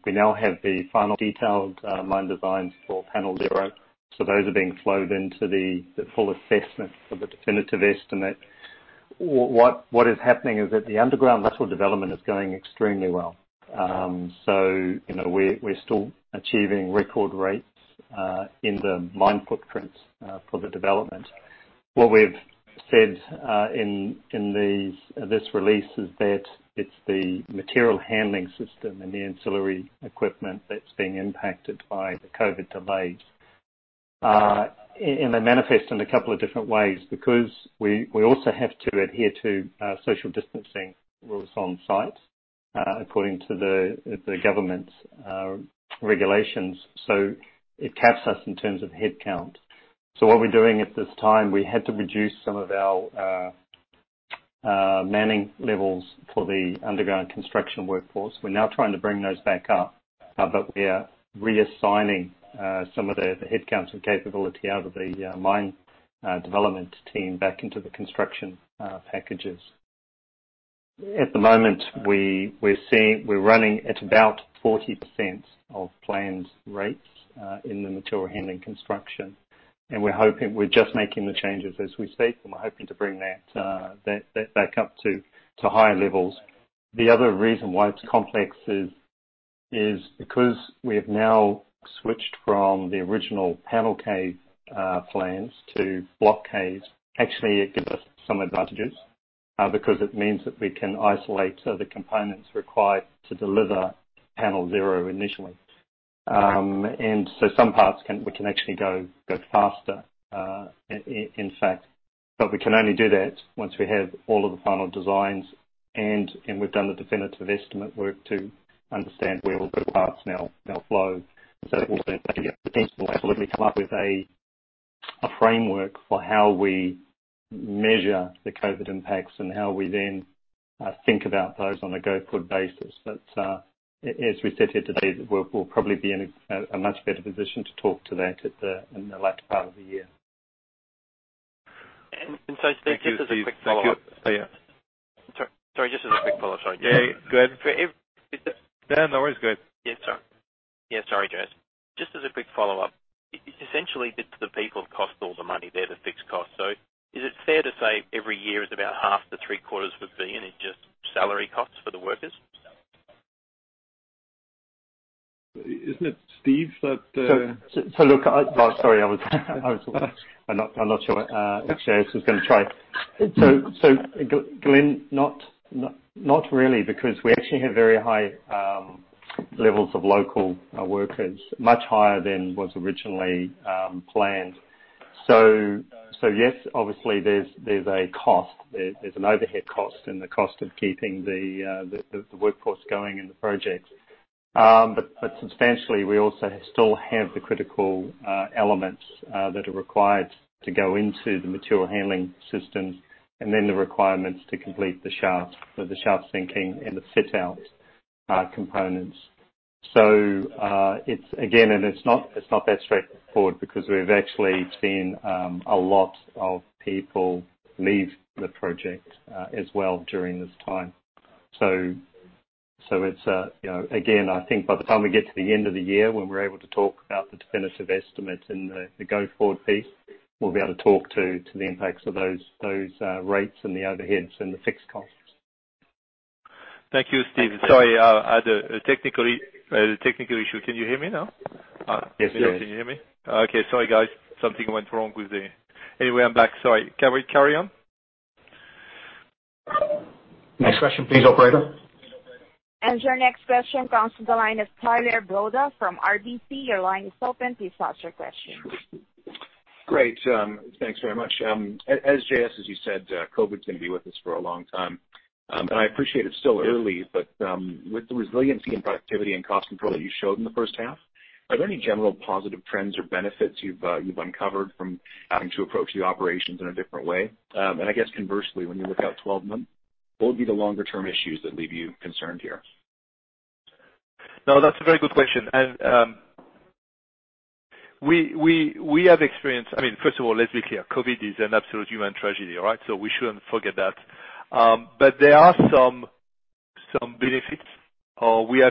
We now have the final detailed mine designs for Panel 0. Those are being flowed into the full assessment of the definitive estimate. What is happening is that the underground development is going extremely well. We're still achieving record rates in the mine footprints for the development. What we've said in this release is that it's the material handling system and the ancillary equipment that's being impacted by the COVID-19 delays. They manifest in a couple of different ways because we also have to adhere to social distancing rules on site according to the government's regulations. It caps us in terms of head count. What we're doing at this time, we had to reduce some of our manning levels for the underground construction workforce. We're now trying to bring those back up. We are reassigning some of the head counts and capability out of the mine development team back into the construction packages. At the moment, we're running at about 40% of planned rates in the material handling construction. We're just making the changes as we speak, and we're hoping to bring that back up to higher levels. The other reason why it's complex is because we have now switched from the original panel cave plans to block caves. Actually, it gives us some advantages, because it means that we can isolate the components required to deliver Panel 0 initially. Some parts we can actually go faster in fact. We can only do that once we have all of the final designs and we've done the definitive estimate work to understand where all the parts now flow. It will then take a potential while until we come up with a framework for how we measure the COVID impacts and how we then think about those on a go-forward basis. As we sit here today, we'll probably be in a much better position to talk to that in the latter part of the year.
Steve, just as a quick follow-up.
Thank you. Oh, yeah.
Sorry, just as a quick follow-up. Sorry.
Yeah. Go ahead.
For ev-- Is the-
No, no worries. Go ahead.
Sorry. Sorry, J-S. Just as a quick follow-up. Essentially, it's the people cost all the money there, the fixed cost. Is it fair to say every year is about $half to three-quarters of a billion in just salary costs for the workers?
Isn't it Steve that.
Look, sorry. I'm not sure. Glyn, not really, because we actually have very high levels of local workers, much higher than was originally planned. Yes, obviously there's a cost. There's an overhead cost and the cost of keeping the workforce going in the project. Substantially, we also still have the critical elements that are required to go into the material handling systems, and then the requirements to complete the shaft, so the shaft sinking and the fit-out components. Again, it's not that straightforward because we've actually seen a lot of people leave the project as well during this time. Again, I think by the time we get to the end of the year, when we're able to talk about the definitive estimate and the go-forward piece, we'll be able to talk to the impacts of those rates and the overheads and the fixed costs.
Thank you, Steve. Sorry, I had a technical issue. Can you hear me now?
Yes, yes.
Can you hear me? Okay, sorry guys. Anyway, I'm back. Sorry. Can we carry on?
Next question, please, operator.
Your next question comes from the line of Tyler Broda from RBC. Your line is open. Please ask your question.
Great. Thanks very much. As J-S, as you said, COVID's going to be with us for a long time. I appreciate it's still early, but with the resiliency and productivity and cost control that you showed in the first half, are there any general positive trends or benefits you've uncovered from having to approach the operations in a different way? I guess conversely, when you look out 12 months, what would be the longer-term issues that leave you concerned here?
No, that's a very good question. We have experienced, first of all, let's be clear, COVID is an absolute human tragedy, right. We shouldn't forget that. There are some benefits, or we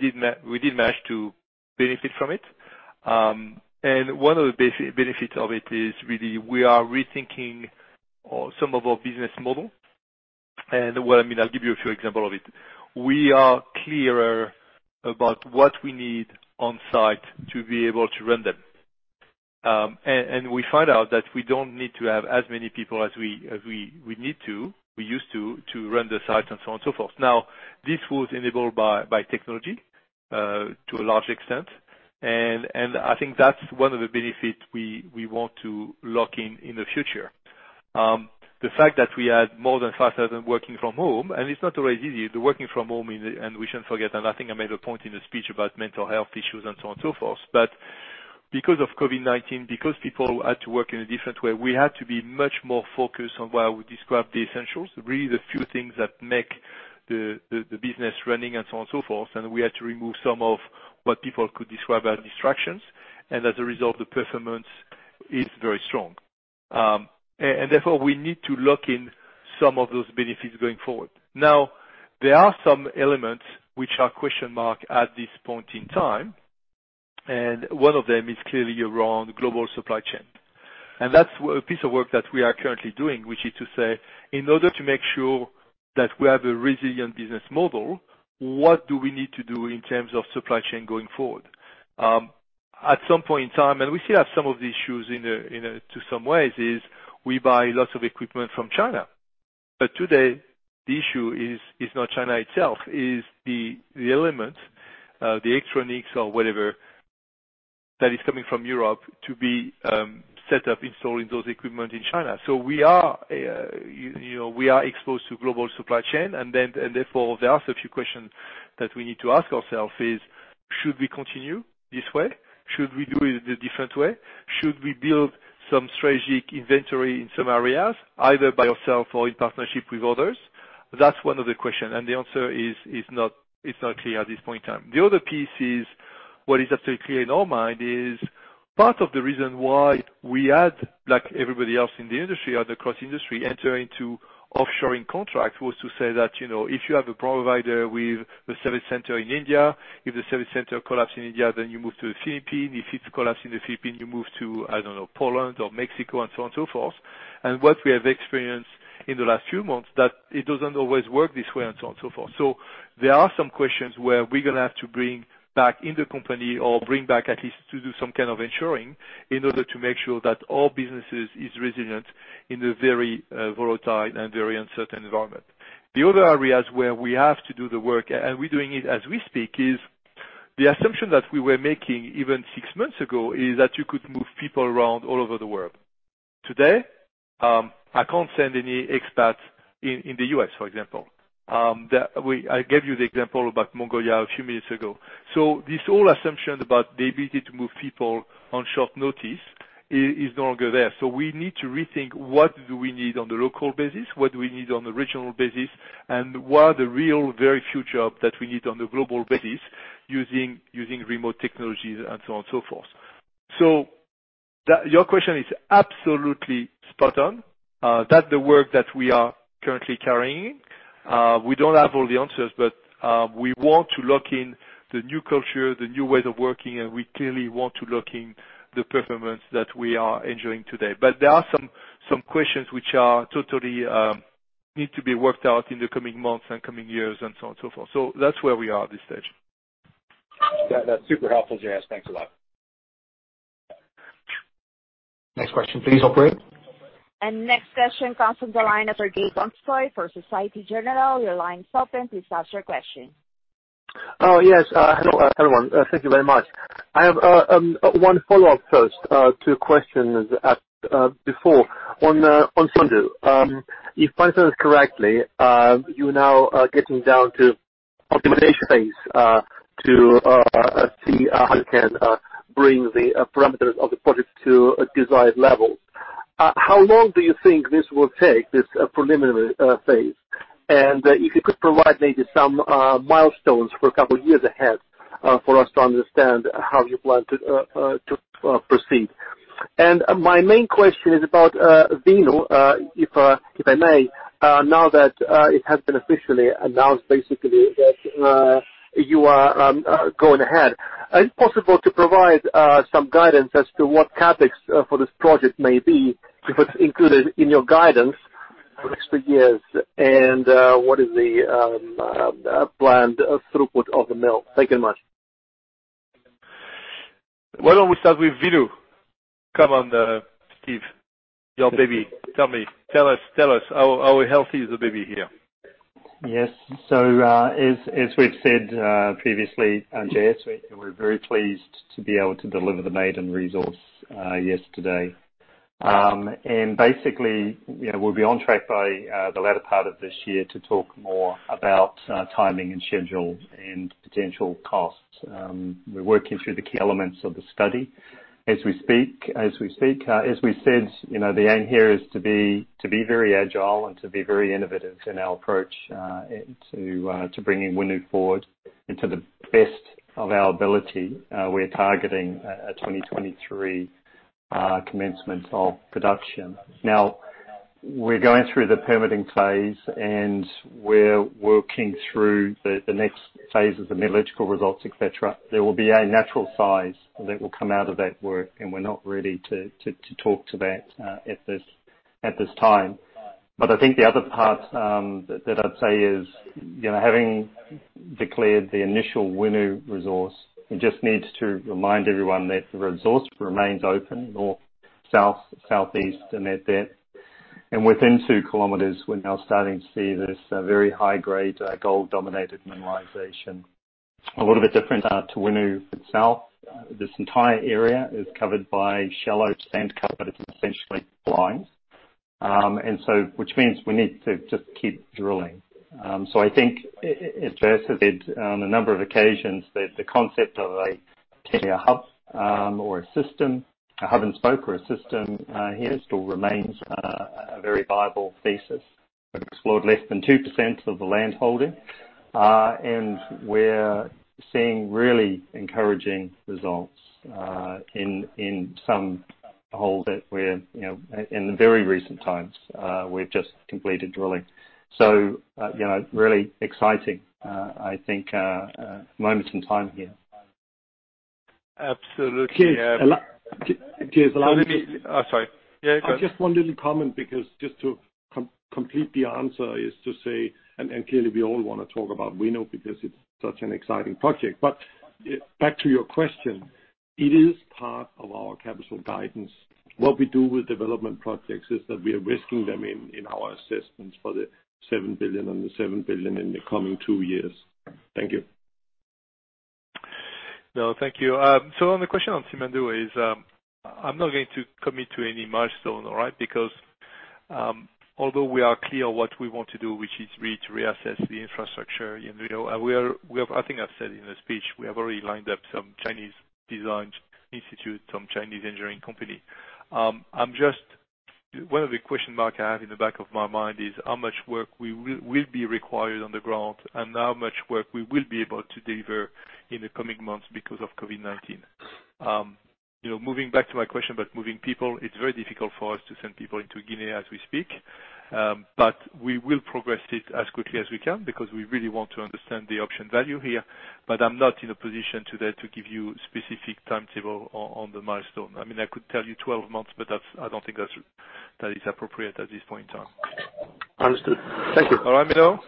did manage to benefit from it. One of the benefits of it is really we are rethinking some of our business model. Well, I mean, I'll give you a few example of it. We are clearer about what we need on site to be able to run them. We find out that we don't need to have as many people as we need to, we used to run the site and so on and so forth. Now, this was enabled by technology, to a large extent. I think that's one of the benefits we want to lock in in the future. The fact that we had more than 5,000 working from home, and it's not always easy. The working from home, and we shouldn't forget, and I think I made a point in the speech about mental health issues and so on and so forth. Because of COVID-19, because people had to work in a different way, we had to be much more focused on what I would describe the essentials, really the few things that make the business running and so on and so forth. We had to remove some of what people could describe as distractions. As a result, the performance is very strong. Therefore, we need to lock in some of those benefits going forward. Now, there are some elements which are question mark at this point in time, and one of them is clearly around global supply chain. That's a piece of work that we are currently doing, which is to say, in order to make sure that we have a resilient business model, what do we need to do in terms of supply chain going forward? At some point in time, and we still have some of the issues to some ways, is we buy lots of equipment from China. Today, the issue is not China itself, it's the element, the electronics or whatever that is coming from Europe to be set up installing those equipment in China. We are exposed to global supply chain, and therefore, there are a few questions that we need to ask ourselves is, should we continue this way? Should we do it a different way? Should we build some strategic inventory in some areas, either by ourselves or in partnership with others? That's one of the questions, and the answer is not clear at this point in time. The other piece is, what is absolutely clear in our mind is part of the reason why we had, like everybody else in the industry and across industry, enter into offshoring contracts was to say that if you have a provider with a service center in India, if the service center collapse in India, then you move to the Philippines. If it collapse in the Philippines, you move to, I don't know, Poland or Mexico and so on and so forth. What we have experienced in the last few months that it doesn't always work this way and so on and so forth. There are some questions where we're going to have to bring back in the company or bring back at least to do some kind of ensuring in order to make sure that all business is resilient in a very volatile and very uncertain environment. The other areas where we have to do the work, and we're doing it as we speak, is the assumption that we were making even six months ago is that you could move people around all over the world. Today, I can't send any expats in the U.S., for example. I gave you the example about Mongolia a few minutes ago. This whole assumption about the ability to move people on short notice is no longer there. We need to rethink what do we need on the local basis, what do we need on the regional basis, and what are the real very few job that we need on the global basis using remote technologies and so on and so forth. Your question is absolutely spot on. That's the work that we are currently carrying. We don't have all the answers, but we want to lock in the new culture, the new ways of working, and we clearly want to lock in the performance that we are enjoying today. There are some questions which are totally need to be worked out in the coming months and coming years and so on and so forth. That's where we are at this stage.
That's super helpful, J-S. Thanks a lot.
Next question, please, operator.
Next question comes from the line of Rudi Blatter for Société Générale. Your line is open. Please ask your question.
Oh, yes. Hello, everyone. Thank you very much. I have one follow-up first to questions asked before on Simandou. If I understand correctly, you now are getting down to optimization phase to see how you can bring the parameters of the project to desired levels. How long do you think this will take, this preliminary phase? If you could provide maybe some milestones for a couple years ahead for us to understand how you plan to proceed. My main question is about Winu, if I may, now that it has been officially announced, basically, that you are going ahead. Is it possible to provide some guidance as to what CapEx for this project may be if it's included in your guidance for the next few years? What is the planned throughput of the mill? Thank you much.
Why don't we start with Winu? Come on, Steve, your baby. Tell me. Tell us how healthy is the baby here.
Yes. As we've said previously, J-S, we're very pleased to be able to deliver the maiden resource yesterday. Basically, we'll be on track by the latter part of this year to talk more about timing and schedule and potential costs. We're working through the key elements of the study as we speak. As we said, the aim here is to be very agile and to be very innovative in our approach to bringing Winu forward. To the best of our ability, we're targeting a 2023 commencement of production. We're going through the permitting phase, and we're working through the next phase of the metallurgical results, et cetera. There will be a natural size that will come out of that work, and we're not ready to talk to that at this time. I think the other part that I'd say is, having declared the initial Winu resource, it just needs to remind everyone that the resource remains open north, south, southeast, and at depth. Within 2 km, we're now starting to see this very high-grade gold-dominated mineralization. A little bit different to Winu itself. This entire area is covered by shallow sand cover that's essentially blind, and so which means we need to just keep drilling. I think as J-S said, on a number of occasions, that the concept of a hub or a system, a hub and spoke or a system here still remains a very viable thesis. We've explored less than 2% of the land holding. We're seeing really encouraging results in some holes that in the very recent times, we've just completed drilling. Really exciting, I think, moment in time here.
Absolutely.
J-S-
Sorry. Yeah, go on.
Just one little comment, because just to complete the answer is to say, clearly we all want to talk about Winu because it's such an exciting project. Back to your question, it is part of our capital guidance. What we do with development projects is that we are risking them in our assessments for the $7 billion and the $7 billion in the coming two years. Thank you.
No, thank you. The question on Simandou is, I'm not going to commit to any milestone, all right. Although we are clear what we want to do, which is really to reassess the infrastructure, I think I've said in the speech, we have already lined up some Chinese design institutes, some Chinese engineering company. One of the question mark I have in the back of my mind is, how much work will be required on the ground, and how much work we will be able to deliver in the coming months because of COVID-19? Moving back to my question about moving people, it's very difficult for us to send people into Guinea as we speak. We will progress it as quickly as we can because we really want to understand the option value here. I'm not in a position today to give you specific timetable on the milestone. I could tell you 12 months, but I don't think that is appropriate at this point in time.
Understood. Thank you.
All right, Menno?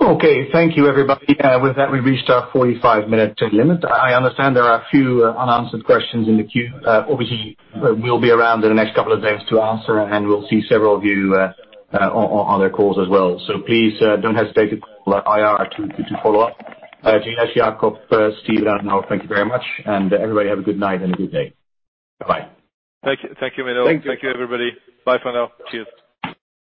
Okay. Thank you, everybody. With that, we've reached our 45-minute limit. I understand there are a few unanswered questions in the queue. Obviously, we'll be around in the next couple of days to answer, and we'll see several of you on other calls as well. Please don't hesitate to call IR to follow up. J-S, Jakob, Steve, and Arnaud, thank you very much. Everybody, have a good night and a good day. Bye-bye.
Thank you, Menno.
Thank you.
Thank you, everybody. Bye for now. Cheers.